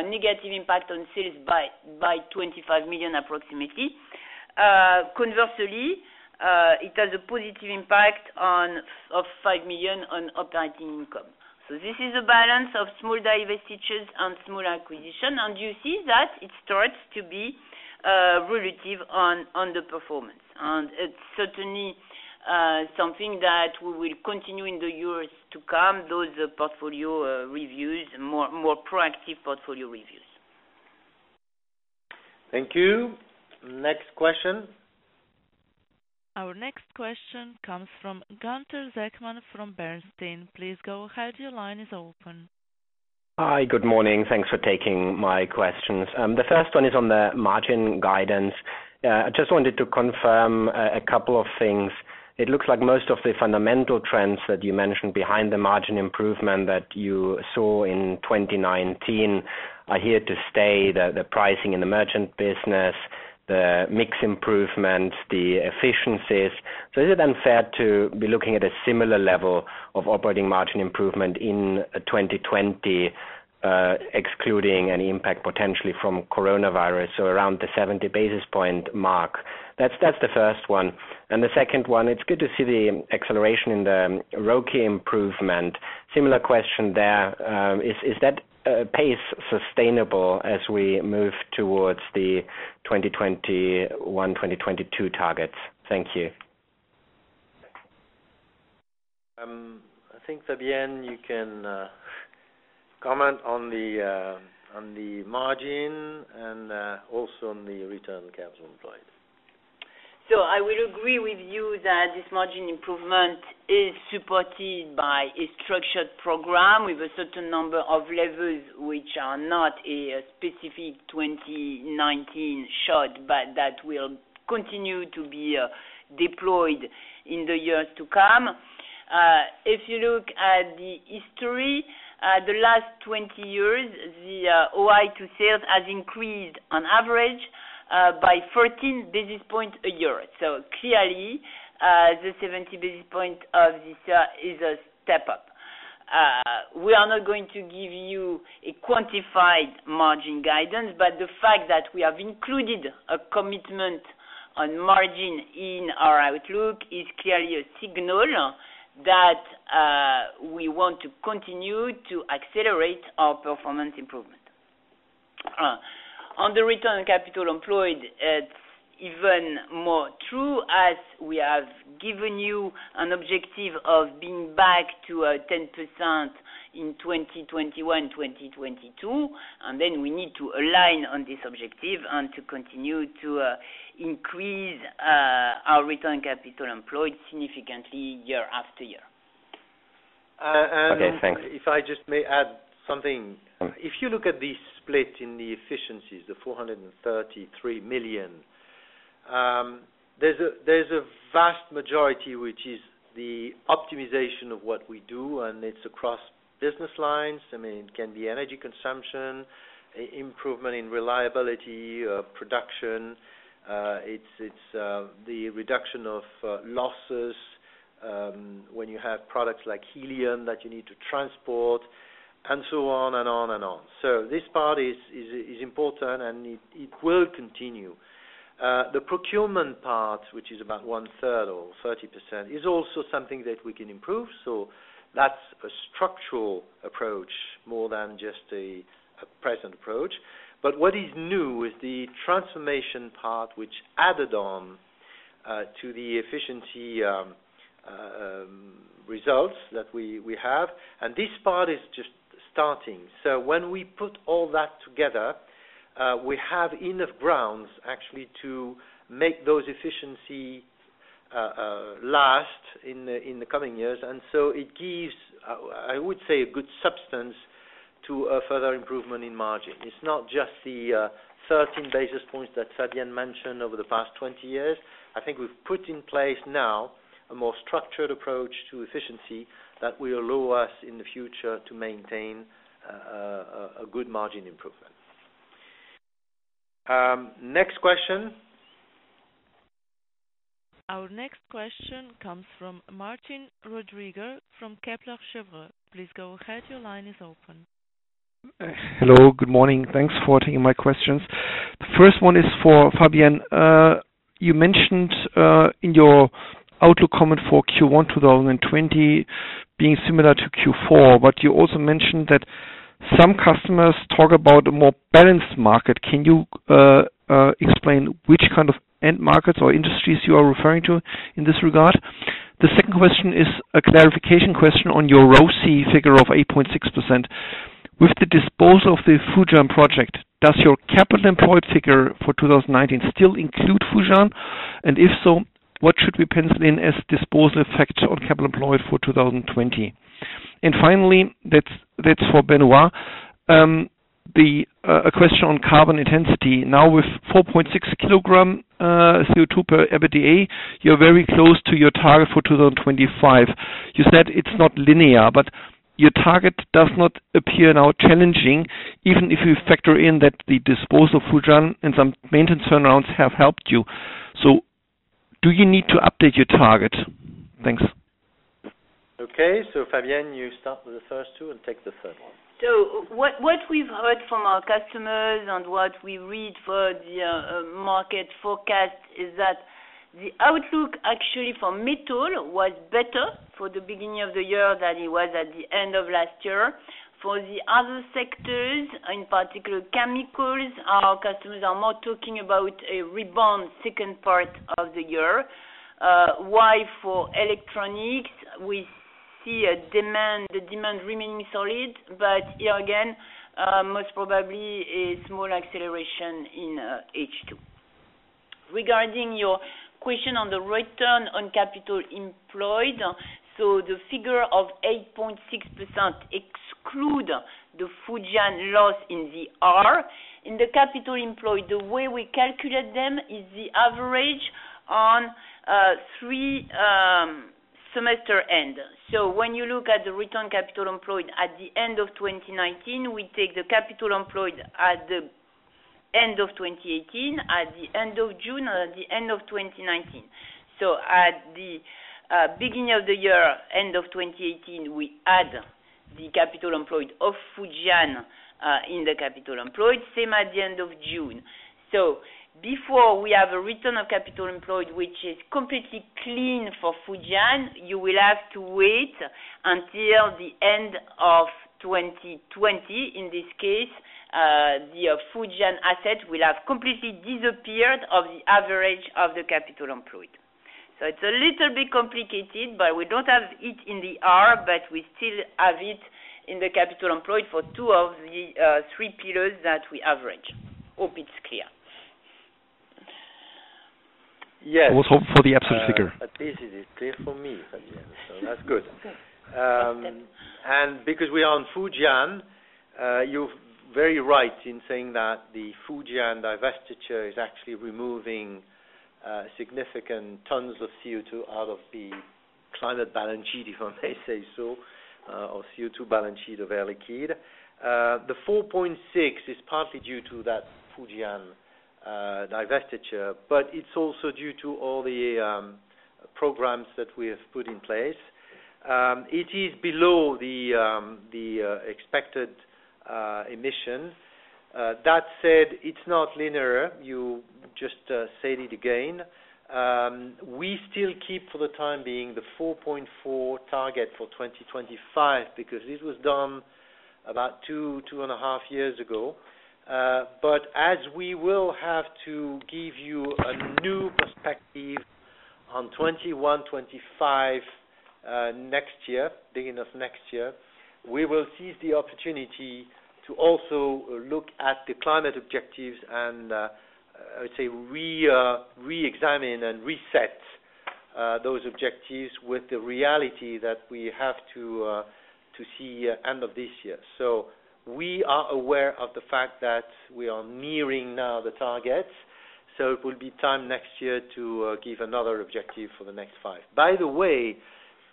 negative impact on sales by 25 million approximately. Conversely, it has a positive impact of 5 million on operating income. This is a balance of small divestitures and small acquisition, and you see that it starts to be relative on the performance. It's certainly something that we will continue in the years to come, those portfolio reviews, more proactive portfolio reviews.
Thank you. Next question.
Our next question comes from Gunther Zechmann from Bernstein. Please go ahead, your line is open.
Hi, good morning. Thanks for taking my questions. The first one is on the margin guidance. I just wanted to confirm a couple of things. It looks like most of the fundamental trends that you mentioned behind the margin improvement that you saw in 2019 are here to stay. The pricing in the merchant business, the mix improvements, the efficiencies. Is it unfair to be looking at a similar level of operating margin improvement in 2020, excluding any impact potentially from coronavirus, so around the 70 basis points mark? That's the first one. The second one, it's good to see the acceleration in the ROCE improvement. Similar question there. Is that pace sustainable as we move towards the 2021, 2022 targets? Thank you.
I think, Fabienne, you can comment on the margin and also on the return on capital employed.
I will agree with you that this margin improvement is supported by a structured program with a certain number of levels, which are not a specific 2019 shot, but that will continue to be deployed in the years to come. If you look at the history, the last 20 years, the OI to sales has increased on average by 14 basis points a year. Clearly, the 70 basis points of this is a step-up. We are not going to give you a quantified margin guidance, but the fact that we have included a commitment on margin in our outlook is clearly a signal that we want to continue to accelerate our performance improvement. On the return on capital employed, it's even more true, as we have given you an objective of being back to 10% in 2021, 2022, then we need to align on this objective and to continue to increase our return on capital employed significantly year-after-year.
Okay, thanks.
If I just may add something. If you look at the split in the efficiencies, the 433 million, there's a vast majority, which is the optimization of what we do, and it's across business lines. It can be energy consumption, improvement in reliability, production. It's the reduction of losses when you have products like helium that you need to transport, and so on and on and on. This part is important, and it will continue. The procurement part, which is about 1/3 or 30%, is also something that we can improve. That's a structural approach more than just a present approach. What is new is the transformation part, which added on to the efficiency results that we have. This part is just starting. When we put all that together, we have enough grounds actually to make those efficiency last in the coming years. It gives, I would say, a good substance. To a further improvement in margin. It's not just the 13 basis points that Fabienne mentioned over the past 20 years. I think we've put in place now a more structured approach to efficiency that will allow us in the future to maintain a good margin improvement. Next question.
Our next question comes from Martin Rödiger from Kepler Cheuvreux. Please go ahead. Your line is open.
Hello. Good morning. Thanks for taking my questions. The first one is for Fabienne. You mentioned, in your outlook comment for Q1 2020 being similar to Q4. You also mentioned that some customers talk about a more balanced market. Can you explain which kind of end markets or industries you are referring to in this regard? The second question is a clarification question on your ROCE figure of 8.6%. With the disposal of the Fujian project, does your capital employed figure for 2019 still include Fujian? If so, what should we pencil in as disposal effects on capital employed for 2020? Finally, that's for Benoît. A question on carbon intensity. Now with 4.6 kg CO2 per EBITDA, you're very close to your target for 2025. You said it's not linear, but your target does not appear now challenging, even if you factor in that the disposal of Fujian and some maintenance turnarounds have helped you. Do you need to update your target? Thanks.
Okay. Fabienne, you start with the first two and take the third one.
What we've heard from our customers and what we read for the market forecast is that the outlook actually for metal was better for the beginning of the year than it was at the end of last year. For the other sectors, in particular, chemicals, our customers are more talking about a rebound second part of the year. For electronics, we see the demand remaining solid, but here again, most probably a small acceleration in H2. Regarding your question on the return on capital employed, so the figure of 8.6% exclude the Fujian loss in the R. In the capital employed, the way we calculate them is the average on three semester end. When you look at the return capital employed at the end of 2019, we take the capital employed at the end of 2018, at the end of June, or at the end of 2019. At the beginning of the year, end of 2018, we had the capital employed of Fujian, in the capital employed, same at the end of June. Before we have a return of capital employed, which is completely clean for Fujian, you will have to wait until the end of 2020. In this case, the Fujian asset will have completely disappeared of the average of the capital employed. It's a little bit complicated, but we don't have it in the R, but we still have it in the capital employed for two of the three pillars that we average. Hope it's clear.
Yes.
We'll hope for the absolute figure.
At least it is clear for me, Fabienne, so that's good.
Okay.
Because we are on Fujian, you're very right in saying that the Fujian divestiture is actually removing significant tons of CO2 out of the climate balance sheet, if I may say so, or CO2 balance sheet of Air Liquide. The 4.6 is partly due to that Fujian divestiture, but it's also due to all the programs that we have put in place. It is below the expected emissions. That said, it's not linear. You just said it again. We still keep for the time being the 4.4 target for 2025 because this was done about two and a half years ago. As we will have to give you a new perspective on 2021, 2025 next year, beginning of next year, we will seize the opportunity to also look at the climate objectives and, I would say, re-examine and reset those objectives with the reality that we have to see end of this year. We are aware of the fact that we are nearing now the target. It will be time next year to give another objective for the next five. By the way,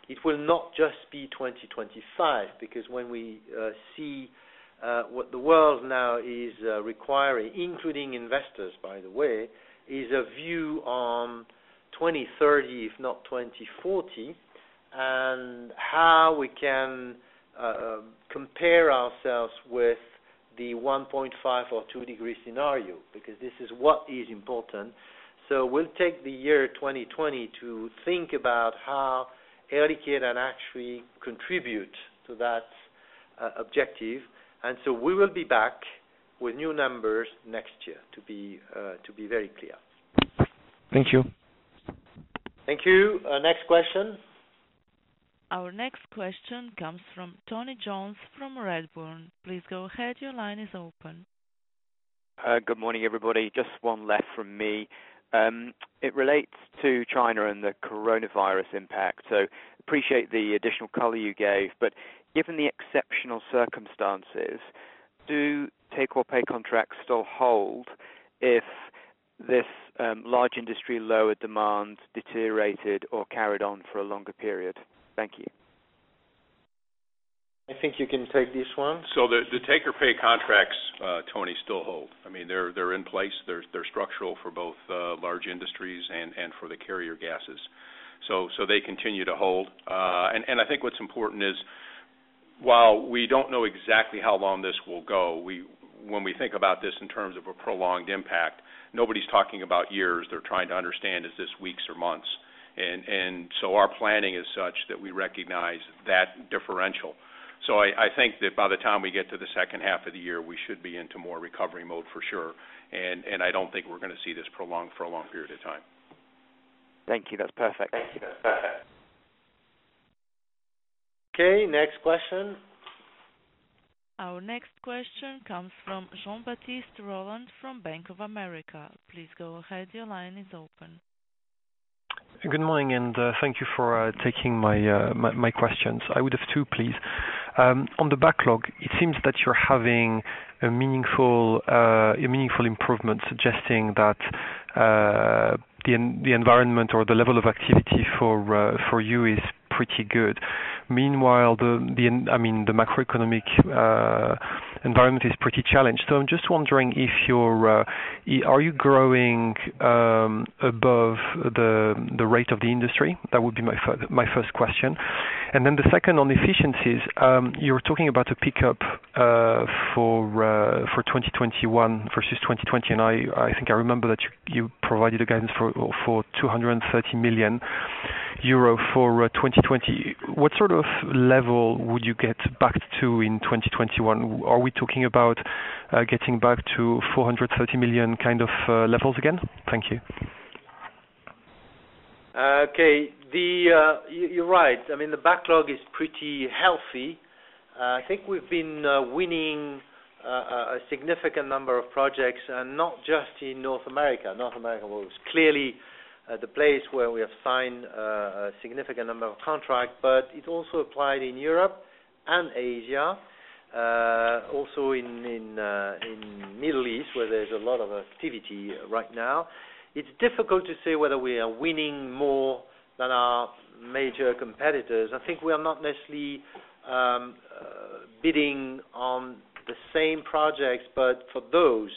it will not just be 2025, because when we see what the world now is requiring, including investors, by the way, is a view on 2030, if not 2040, and how we can compare ourselves with the 1.5 or two degree scenario, because this is what is important. We'll take the year 2020 to think about how Air Liquide can actually contribute to that objective. We will be back with new numbers next year, to be very clear.
Thank you.
Thank you. Next question.
Our next question comes from Tony Jones from Redburn. Please go ahead. Your line is open.
Good morning, everybody. Just one left from me. It relates to China and the coronavirus impact. Appreciate the additional color you gave, but given the exceptional circumstances, do take or pay contracts still hold if this large industry, lower demand deteriorated or carried on for a longer period? Thank you.
I think you can take this one.
The take or pay contracts, Tony, still hold. I mean, they're in place. They're structural for both large industries and for the carrier gases. They continue to hold. I think what's important is, while we don't know exactly how long this will go, when we think about this in terms of a prolonged impact, nobody's talking about years. They're trying to understand, is this weeks or months? Our planning is such that we recognize that differential. I think that by the time we get to the second half of the year, we should be into more recovery mode for sure. I don't think we're going to see this prolonged for a long period of time.
Thank you. That's perfect.
Okay. Next question.
Our next question comes from Jean-Baptiste Rolland from Bank of America. Please go ahead. Your line is open.
Good morning. Thank you for taking my questions. I would have two, please. On the backlog, it seems that you're having a meaningful improvement suggesting that the environment or the level of activity for you is pretty good. Meanwhile, the macroeconomic environment is pretty challenged. I'm just wondering, are you growing above the rate of the industry? That would be my first question. The second on efficiencies. You're talking about a pickup for 2021 versus 2020, and I think I remember that you provided a guidance for 230 million euro for 2020. What sort of level would you get back to in 2021? Are we talking about getting back to 430 million kind of levels again? Thank you.
Okay. You're right. I mean, the backlog is pretty healthy. I think we've been winning a significant number of projects, and not just in North America. North America was clearly the place where we have signed a significant number of contracts, but it also applied in Europe and Asia, also in Middle East, where there's a lot of activity right now. It's difficult to say whether we are winning more than our major competitors. I think we are not necessarily bidding on the same projects, but for those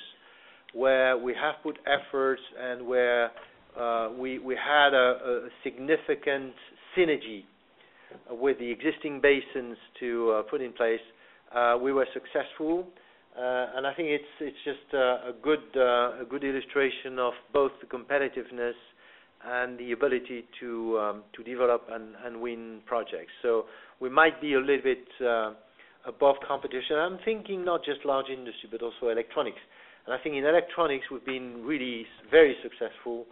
where we have put efforts and where we had a significant synergy with the existing basins to put in place, we were successful. I think it's just a good illustration of both the competitiveness and the ability to develop and win projects. We might be a little bit above competition. I'm thinking not just large industry, but also electronics. I think in Electronics, we've been really very successful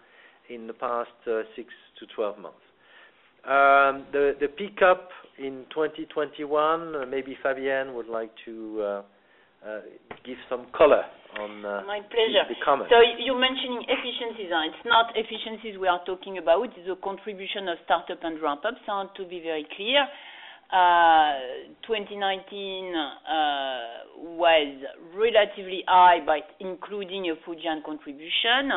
in the past 6-12 months. The pickup in 2021, maybe Fabienne would like to give some color.
My pleasure.
the comment.
You're mentioning efficiencies, and it's not efficiencies we are talking about. The contribution of startup and ramp-ups are to be very clear. 2019 was relatively high by including your Fujian contribution.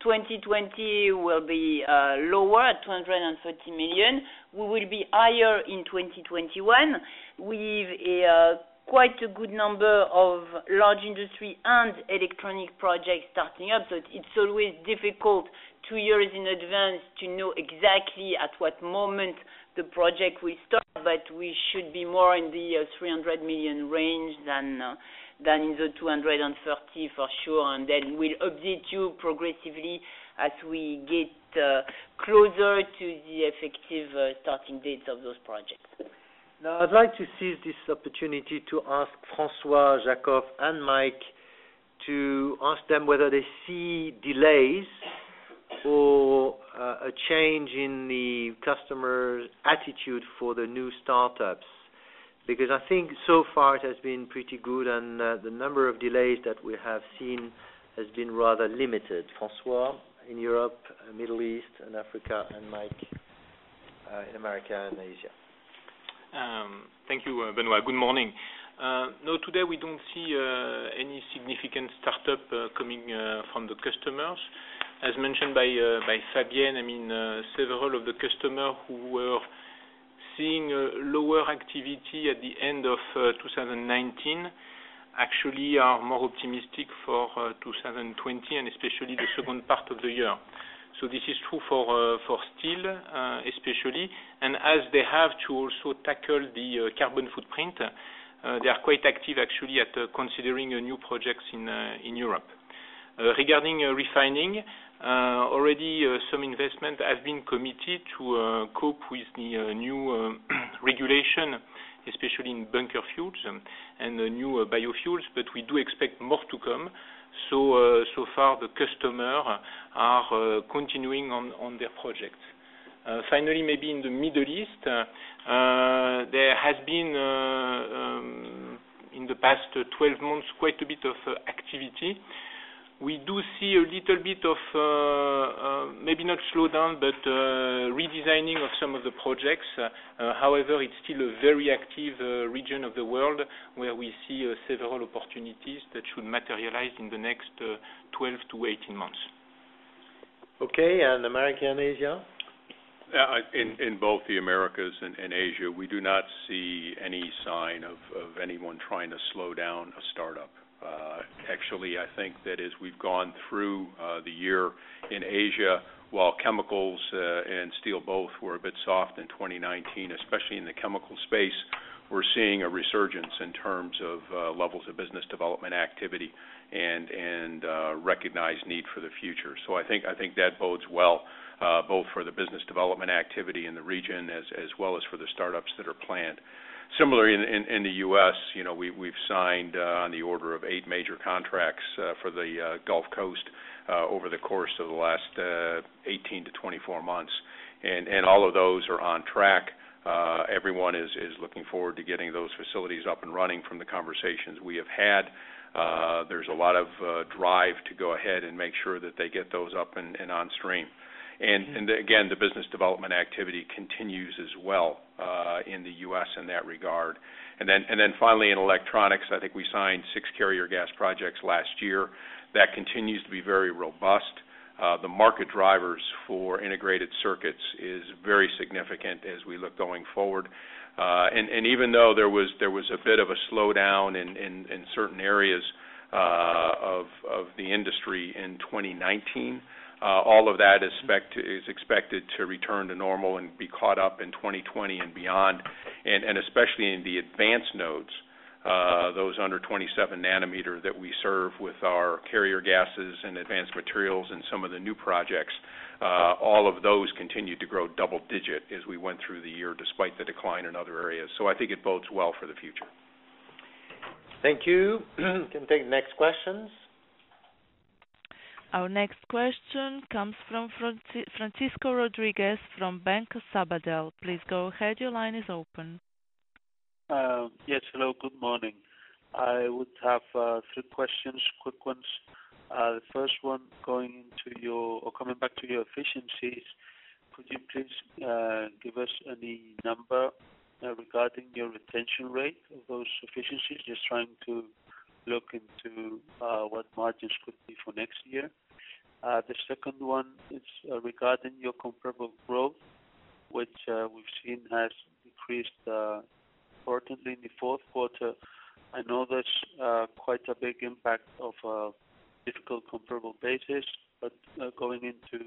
2020 will be lower at 230 million. We will be higher in 2021. We've quite a good number of large industry and electronic projects starting up, so it's always difficult two years in advance to know exactly at what moment the project will start, but we should be more in the 300 million range than in the 230 million for sure. We'll update you progressively as we get closer to the effective starting dates of those projects.
Now, I'd like to seize this opportunity to ask François Jackow and Mike, to ask them whether they see delays or a change in the customer's attitude for the new startups. Because I think so far it has been pretty good, and the number of delays that we have seen has been rather limited. François in Europe, Middle East, and Africa, and Mike, in America and Asia.
Thank you, Benoît. Good morning. No, today we don't see any significant startup coming from the customers. As mentioned by Fabienne, several of the customers who were seeing lower activity at the end of 2019 actually are more optimistic for 2020, and especially the second part of the year. This is true for steel, especially. As they have to also tackle the carbon footprint, they are quite active actually at considering new projects in Europe. Regarding refining, already some investment has been committed to cope with the new regulation, especially in bunker fuels and the new biofuels, but we do expect more to come. So far the custom Continuing on their project. Maybe in the Middle East, there has been, in the past 12 months, quite a bit of activity. We do see a little bit of, maybe not slowdown, but redesigning of some of the projects. It's still a very active region of the world where we see several opportunities that should materialize in the next 12-18 months.
Okay. America and Asia?
In both the Americas and Asia, we do not see any sign of anyone trying to slow down a startup. Actually, I think that as we've gone through the year in Asia, while chemicals and steel both were a bit soft in 2019, especially in the chemical space, we're seeing a resurgence in terms of levels of business development activity and recognized need for the future. I think that bodes well, both for the business development activity in the region as well as for the startups that are planned. Similarly, in the U.S., we've signed on the order of eight major contracts for the Gulf Coast over the course of the last 18-24 months. All of those are on track. Everyone is looking forward to getting those facilities up and running from the conversations we have had. There's a lot of drive to go ahead and make sure that they get those up and on stream. Again, the business development activity continues as well, in the U.S. in that regard. Finally in electronics, I think we signed six carrier gas projects last year. That continues to be very robust. The market drivers for integrated circuits is very significant as we look going forward. Even though there was a bit of a slowdown in certain areas of the industry in 2019, all of that is expected to return to normal and be caught up in 2020 and beyond. Especially in the advanced nodes, those under 27 nm that we serve with our carrier gases and advanced materials and some of the new projects, all of those continued to grow double digit as we went through the year despite the decline in other areas. I think it bodes well for the future.
Thank you. We can take the next questions.
Our next question comes from Francisco Rodríguez from Banco Sabadell. Please go ahead. Your line is open.
Yes. Hello, good morning. I would have three questions, quick ones. The first one, coming back to your efficiencies, could you please give us any number regarding your retention rate of those efficiencies? Just trying to look into what margins could be for next year. The second one is regarding your comparable growth, which we've seen has decreased importantly in the fourth quarter. I know that's quite a big impact of a difficult comparable basis, but going into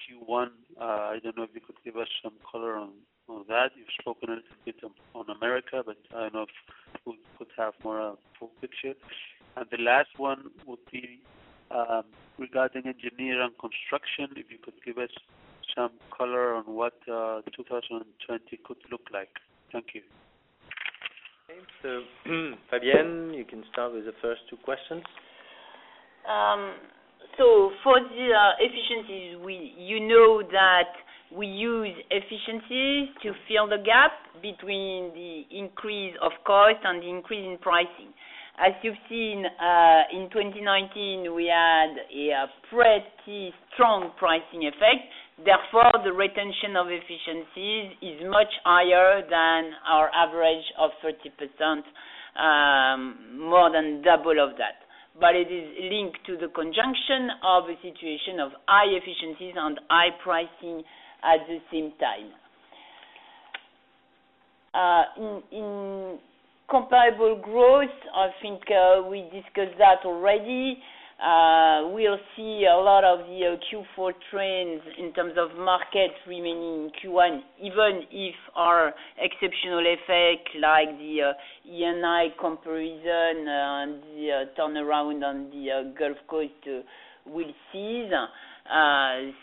Q1, I don't know if you could give us some color on that. You've spoken a little bit on America, but I don't know if we could have more a full picture. The last one would be regarding engineering construction, if you could give us some color on what 2020 could look like. Thank you.
Okay. Fabienne, you can start with the first two questions.
For the efficiencies, you know that we use efficiencies to fill the gap between the increase of cost and the increase in pricing. As you've seen, in 2019, we had a pretty strong pricing effect. Therefore, the retention of efficiencies is much higher than our average of 30%, more than double of that. It is linked to the conjunction of a situation of high efficiencies and high pricing at the same time. In comparable growth, I think we discussed that already. We'll see a lot of the Q4 trends in terms of markets remaining in Q1, even if our exceptional effect like the E&I comparison and the turnaround on the Gulf Coast will cease.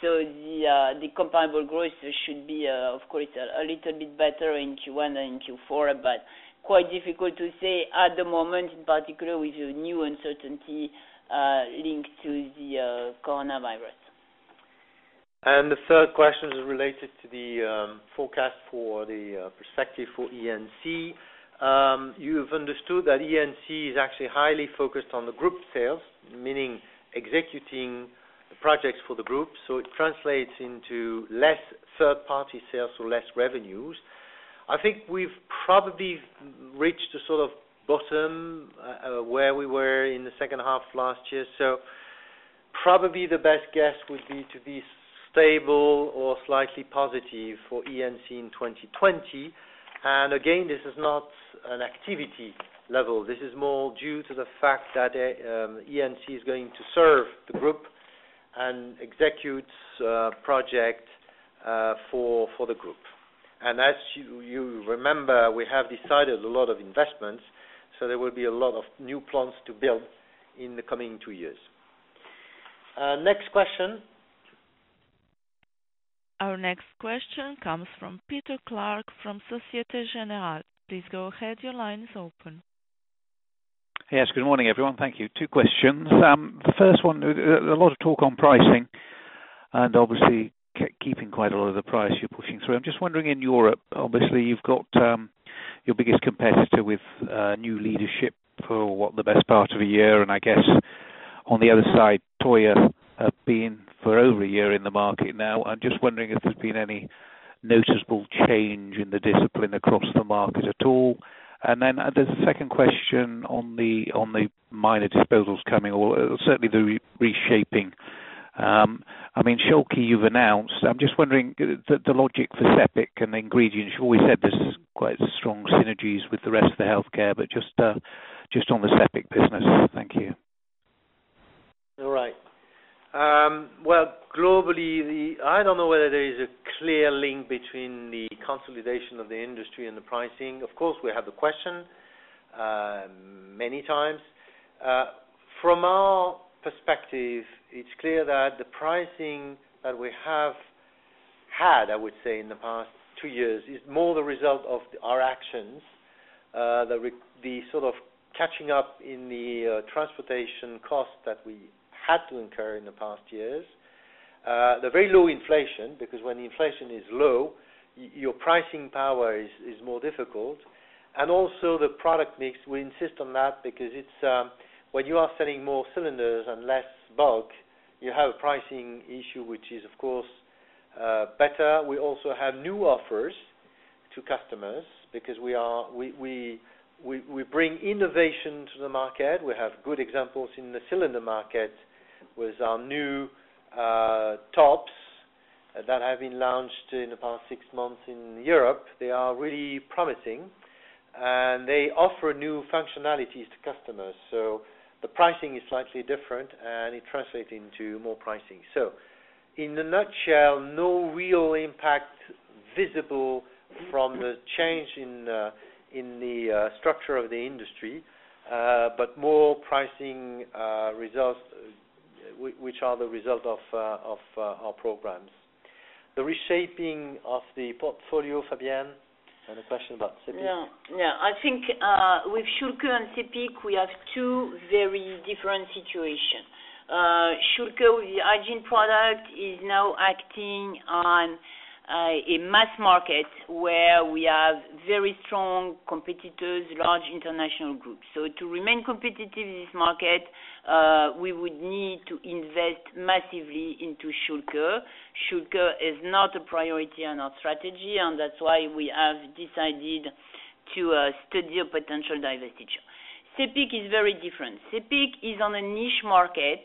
The comparable growth should be, of course, a little bit better in Q1 than in Q4, but quite difficult to say at the moment, in particular with the new uncertainty linked to the coronavirus.
The third question is related to the forecast for the perspective for E&C. You've understood that E&C is actually highly focused on the group sales, meaning executing the projects for the group. It translates into less third-party sales or less revenues. I think we've probably reached a sort of bottom where we were in the second half of last year. Probably the best guess would be to be stable or slightly positive for E&C in 2020. Again, this is not an activity level. This is more due to the fact that E&C is going to serve the group and execute projects for the group. As you remember, we have decided a lot of investments, so there will be a lot of new plants to build in the coming two years. Next question.
Our next question comes from Peter Clark from Société Générale. Please go ahead. Your line is open.
Yes. Good morning, everyone. Thank you. Two questions. The first one, a lot of talk on pricing, and obviously keeping quite a lot of the price you're pushing through. I'm just wondering, in Europe, obviously, you've got your biggest competitor with new leadership for what, the best part of a year, and I guess on the other side, Toyo have been for over a year in the market now. I'm just wondering if there's been any noticeable change in the discipline across the market at all. Then, the second question on the minor disposals coming or certainly the reshaping. Schülke, you've announced. I'm just wondering, the logic for Seppic and. You always said there's quite strong synergies with the rest of the healthcare, but just on the Seppic business. Thank you.
All right. Well, globally, I don't know whether there is a clear link between the consolidation of the industry and the pricing. Of course, we have the question many times. From our perspective, it's clear that the pricing that we have had, I would say, in the past two years is more the result of our actions. The sort of catching up in the transportation cost that we had to incur in the past years. The very low inflation, because when inflation is low, your pricing power is more difficult. Also the product mix. We insist on that because when you are selling more cylinders and less bulk, you have a pricing issue, which is, of course, better. We also have new offers to customers because we bring innovation to the market. We have good examples in the cylinder market with our new tops that have been launched in the past six months in Europe. They are really promising, and they offer new functionalities to customers. The pricing is slightly different, and it translates into more pricing. In a nutshell, no real impact visible from the change in the structure of the industry, but more pricing results, which are the result of our programs. The reshaping of the portfolio, Fabienne, and a question about Seppic.
Yeah. I think with Schülke and Seppic, we have two very different situations. Schülke, the hygiene product, is now acting on a mass market where we have very strong competitors, large international groups. To remain competitive in this market, we would need to invest massively into Schülke. Schülke is not a priority on our strategy, and that's why we have decided to study a potential divestiture. Seppic is very different. Seppic is on a niche market.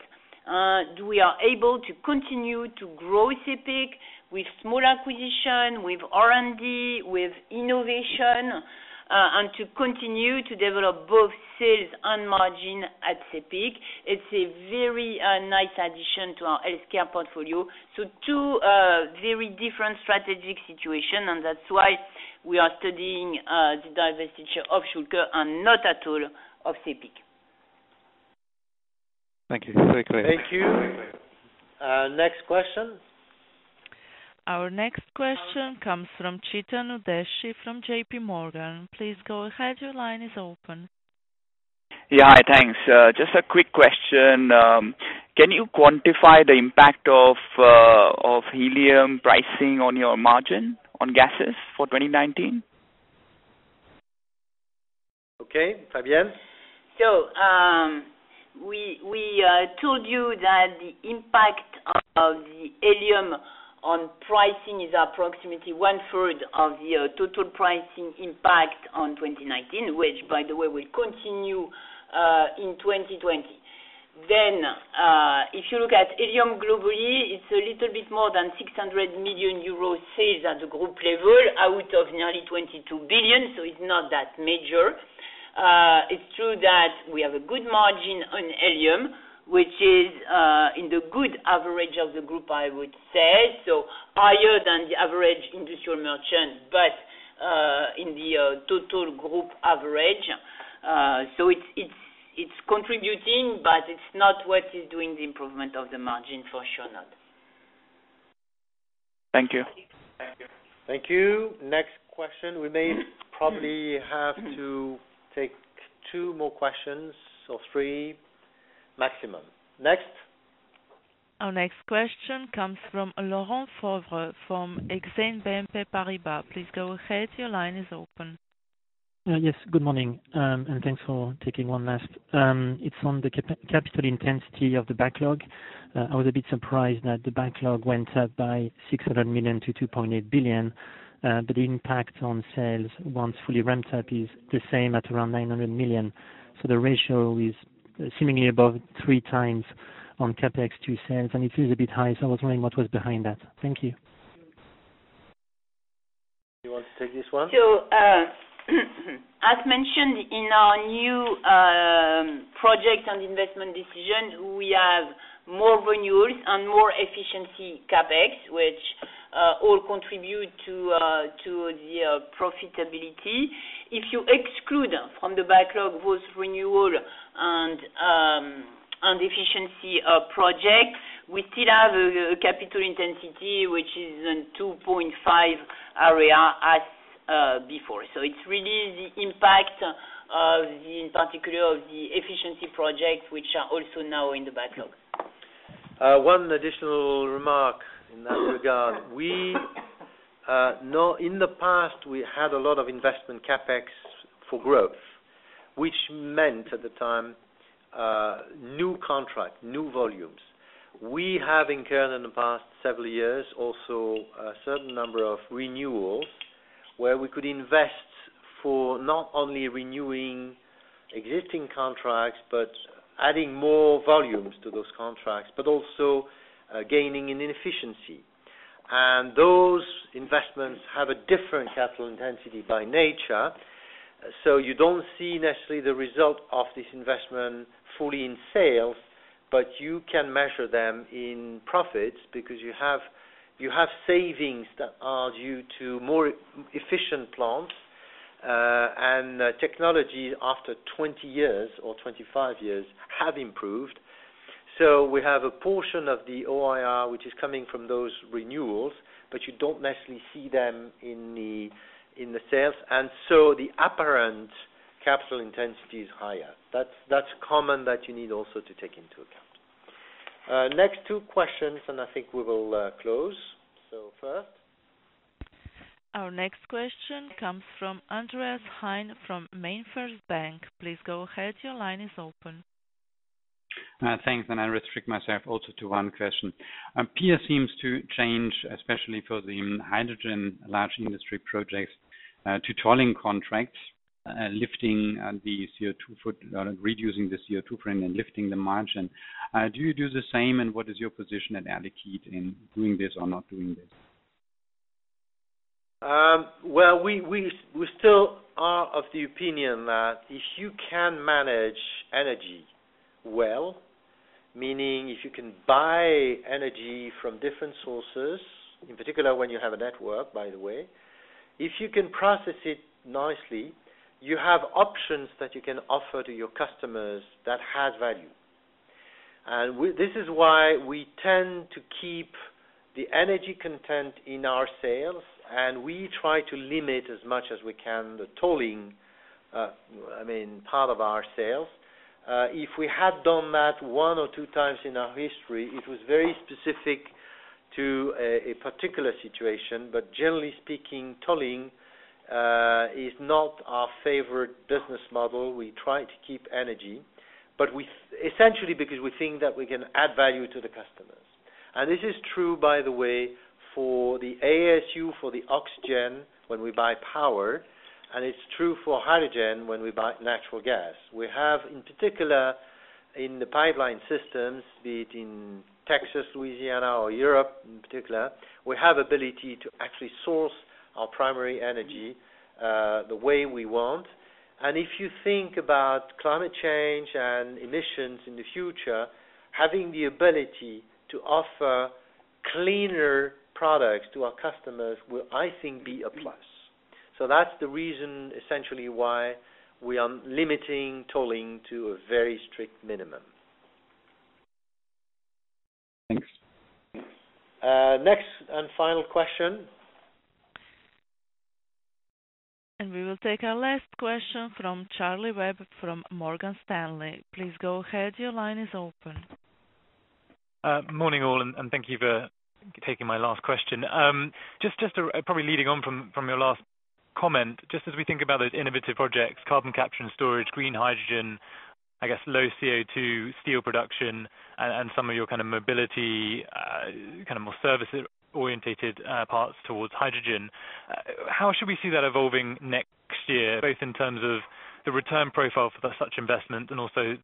We are able to continue to grow Seppic with small acquisition, with R&D, with innovation, and to continue to develop both sales and margin at Seppic. It's a very nice addition to our healthcare portfolio. Two very different strategic situation, and that's why we are studying the divestiture of Schülke and not at all of Seppic.
Thank you. It's very clear.
Thank you. Next question.
Our next question comes from Chetan Udeshi from J.P. Morgan. Please go ahead. Your line is open.
Yeah. Hi, thanks. Just a quick question. Can you quantify the impact of helium pricing on your margin on gases for 2019?
Okay. Fabienne?
We told you that the impact of the helium on pricing is approximately one-third of the total pricing impact on 2019, which, by the way, will continue in 2020. If you look at helium globally, it's a little bit more than 600 million euro sales at the group level out of nearly 22 billion, so it's not that major. It's true that we have a good margin on helium, which is in the good average of the group, I would say, so higher than the average industrial merchant, but in the total group average. It's contributing, but it's not what is doing the improvement of the margin, for sure not.
Thank you.
Thank you. Next question. We may probably have to take two more questions or three maximum. Next.
Our next question comes from Laurent Favre from Exane BNP Paribas. Please go ahead. Your line is open.
Yes. Good morning, thanks for taking one last. It's on the capital intensity of the backlog. I was a bit surprised that the backlog went up by 600 million to 2.8 billion, but the impact on sales once fully ramped up is the same at around 900 million. The ratio is seemingly above 3x on CapEx to sales, and it feels a bit high. I was wondering what was behind that. Thank you.
You want to take this one?
As mentioned in our new project and investment decision, we have more renewals and more efficiency CapEx, which all contribute to the profitability. If you exclude from the backlog both renewal and efficiency projects, we still have a capital intensity which is in 2.5 area as before. It's really the impact of the, in particular, of the efficiency project, which are also now in the backlog.
One additional remark in that regard. In the past, we had a lot of investment CapEx for growth, which meant at the time, new contract, new volumes. We have incurred in the past several years, also, a certain number of renewals where we could invest for not only renewing existing contracts, but adding more volumes to those contracts, but also gaining in efficiency. Those investments have a different capital intensity by nature. You don't see necessarily the result of this investment fully in sales, but you can measure them in profits because you have savings that are due to more efficient plants. Technology after 20 years or 25 years have improved. We have a portion of the OIR, which is coming from those renewals, but you don't necessarily see them in the sales. The apparent capital intensity is higher. That's common that you need also to take into account. Next two questions, and I think we will close. First.
Our next question comes from Andreas Heine from MainFirst Bank. Please go ahead. Your line is open.
Thanks. I restrict myself also to one question. PIA seems to change, especially for the hydrogen large industry projects, to tolling contracts reducing the CO2 frame and lifting the margin. Do you do the same? What is your position at Air Liquide in doing this or not doing this?
Well, we still are of the opinion that if you can manage energy well, meaning if you can buy energy from different sources, in particular, when you have a network, by the way. If you can process it nicely, you have options that you can offer to your customers that has value. This is why we tend to keep the energy content in our sales, and we try to limit as much as we can the tolling, part of our sales. If we have done that one or two times in our history, it was very specific to a particular situation. Generally speaking, tolling is not our favorite business model. We try to keep energy. Essentially because we think that we can add value to the customers. This is true, by the way, for the ASU, for the oxygen, when we buy power, and it's true for hydrogen when we buy natural gas. We have in particular in the pipeline systems, be it in Texas, Louisiana or Europe in particular, we have ability to actually source our primary energy the way we want. If you think about climate change and emissions in the future, having the ability to offer cleaner products to our customers will, I think, be a plus. That's the reason, essentially, why we are limiting tolling to a very strict minimum.
Thanks.
Next and final question.
We will take our last question from Charles Webb from Morgan Stanley. Please go ahead. Your line is open.
Morning, all. Thank you for taking my last question. Probably leading on from your last comment, just as we think about those innovative projects, carbon capture and storage, green hydrogen, I guess low CO2 steel production and some of your kind of mobility, kind of more service orientated parts towards hydrogen. How should we see that evolving next year, both in terms of the return profile for such investment and also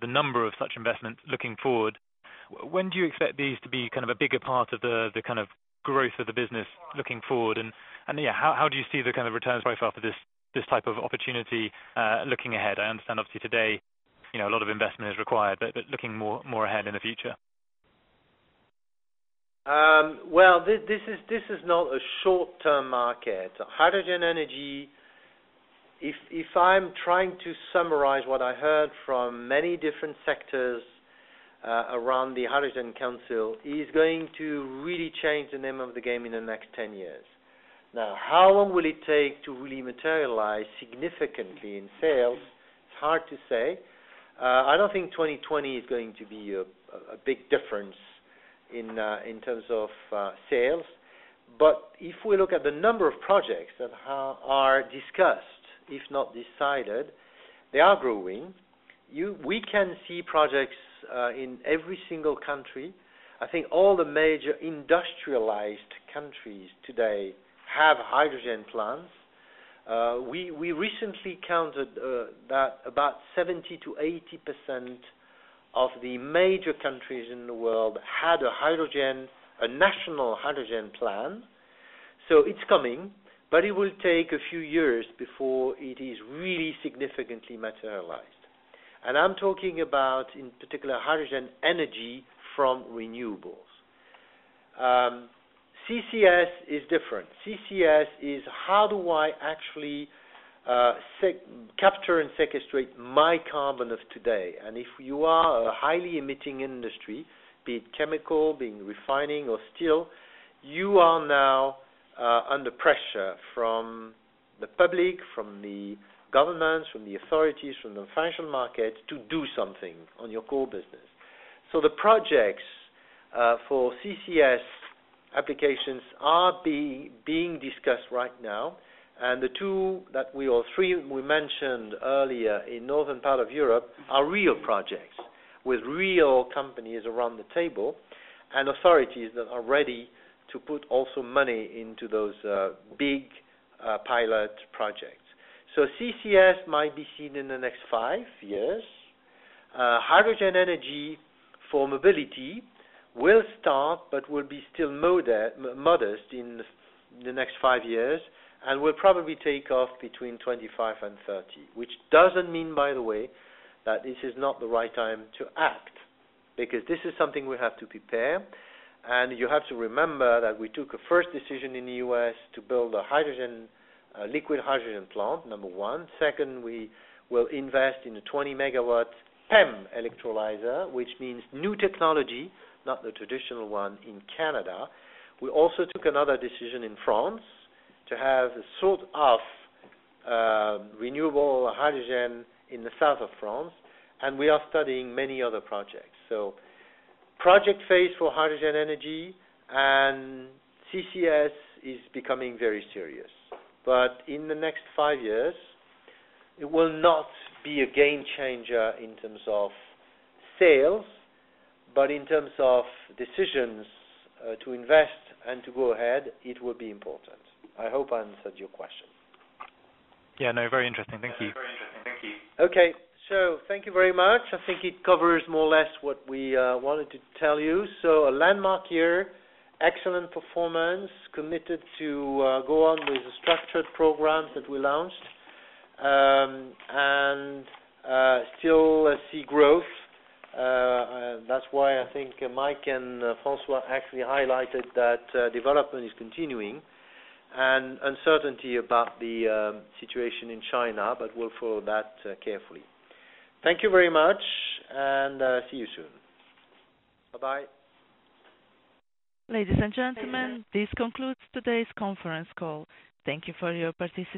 the number of such investments looking forward? When do you expect these to be a bigger part of the growth of the business looking forward? How do you see the returns profile for this type of opportunity looking ahead? I understand obviously today, a lot of investment is required, but looking more ahead in the future.
Well, this is not a short-term market. Hydrogen energy, if I'm trying to summarize what I heard from many different sectors around the Hydrogen Council, is going to really change the name of the game in the next 10 years. How long will it take to really materialize significantly in sales? It's hard to say. I don't think 2020 is going to be a big difference in terms of sales. If we look at the number of projects that are discussed, if not decided, they are growing. We can see projects in every single country. I think all the major industrialized countries today have hydrogen plans. We recently counted that about 70%-80% of the major countries in the world had a national hydrogen plan. It's coming, but it will take a few years before it is really significantly materialized. I'm talking about, in particular, hydrogen energy from renewables. CCS is different. CCS is how do I actually capture and sequestrate my carbon of today. If you are a highly emitting industry, be it chemical, be it refining or steel, you are now under pressure from the public, from the governments, from the authorities, from the financial market, to do something on your core business. The projects for CCS applications are being discussed right now. The two or three we mentioned earlier in northern part of Europe are real projects with real companies around the table and authorities that are ready to put also money into those big pilot projects. CCS might be seen in the next five years. Hydrogen energy for mobility will start, but will be still modest in the next five years, and will probably take off between 2025 and 2030. This doesn't mean, by the way, that this is not the right time to act, because this is something we have to prepare. You have to remember that we took a first decision in the U.S. to build a liquid hydrogen plant, number one. Second, we will invest in a 20 MW PEM electrolyzer, which means new technology, not the traditional one, in Canada. We also took another decision in France to have a sort of renewable hydrogen in the south of France. We are studying many other projects. Project phase for hydrogen energy and CCS is becoming very serious. In the next five years, it will not be a game changer in terms of sales, but in terms of decisions to invest and to go ahead, it will be important. I hope I answered your question.
Yeah, no, very interesting. Thank you.
Okay. Thank you very much. I think it covers more or less what we wanted to tell you. A landmark year, excellent performance, committed to go on with the structured programs that we launched, and still see growth. That's why I think Mike and François actually highlighted that development is continuing, and uncertainty about the situation in China, but we'll follow that carefully. Thank you very much, and see you soon. Bye-bye.
Ladies and gentlemen, this concludes today's conference call. Thank you for your participation.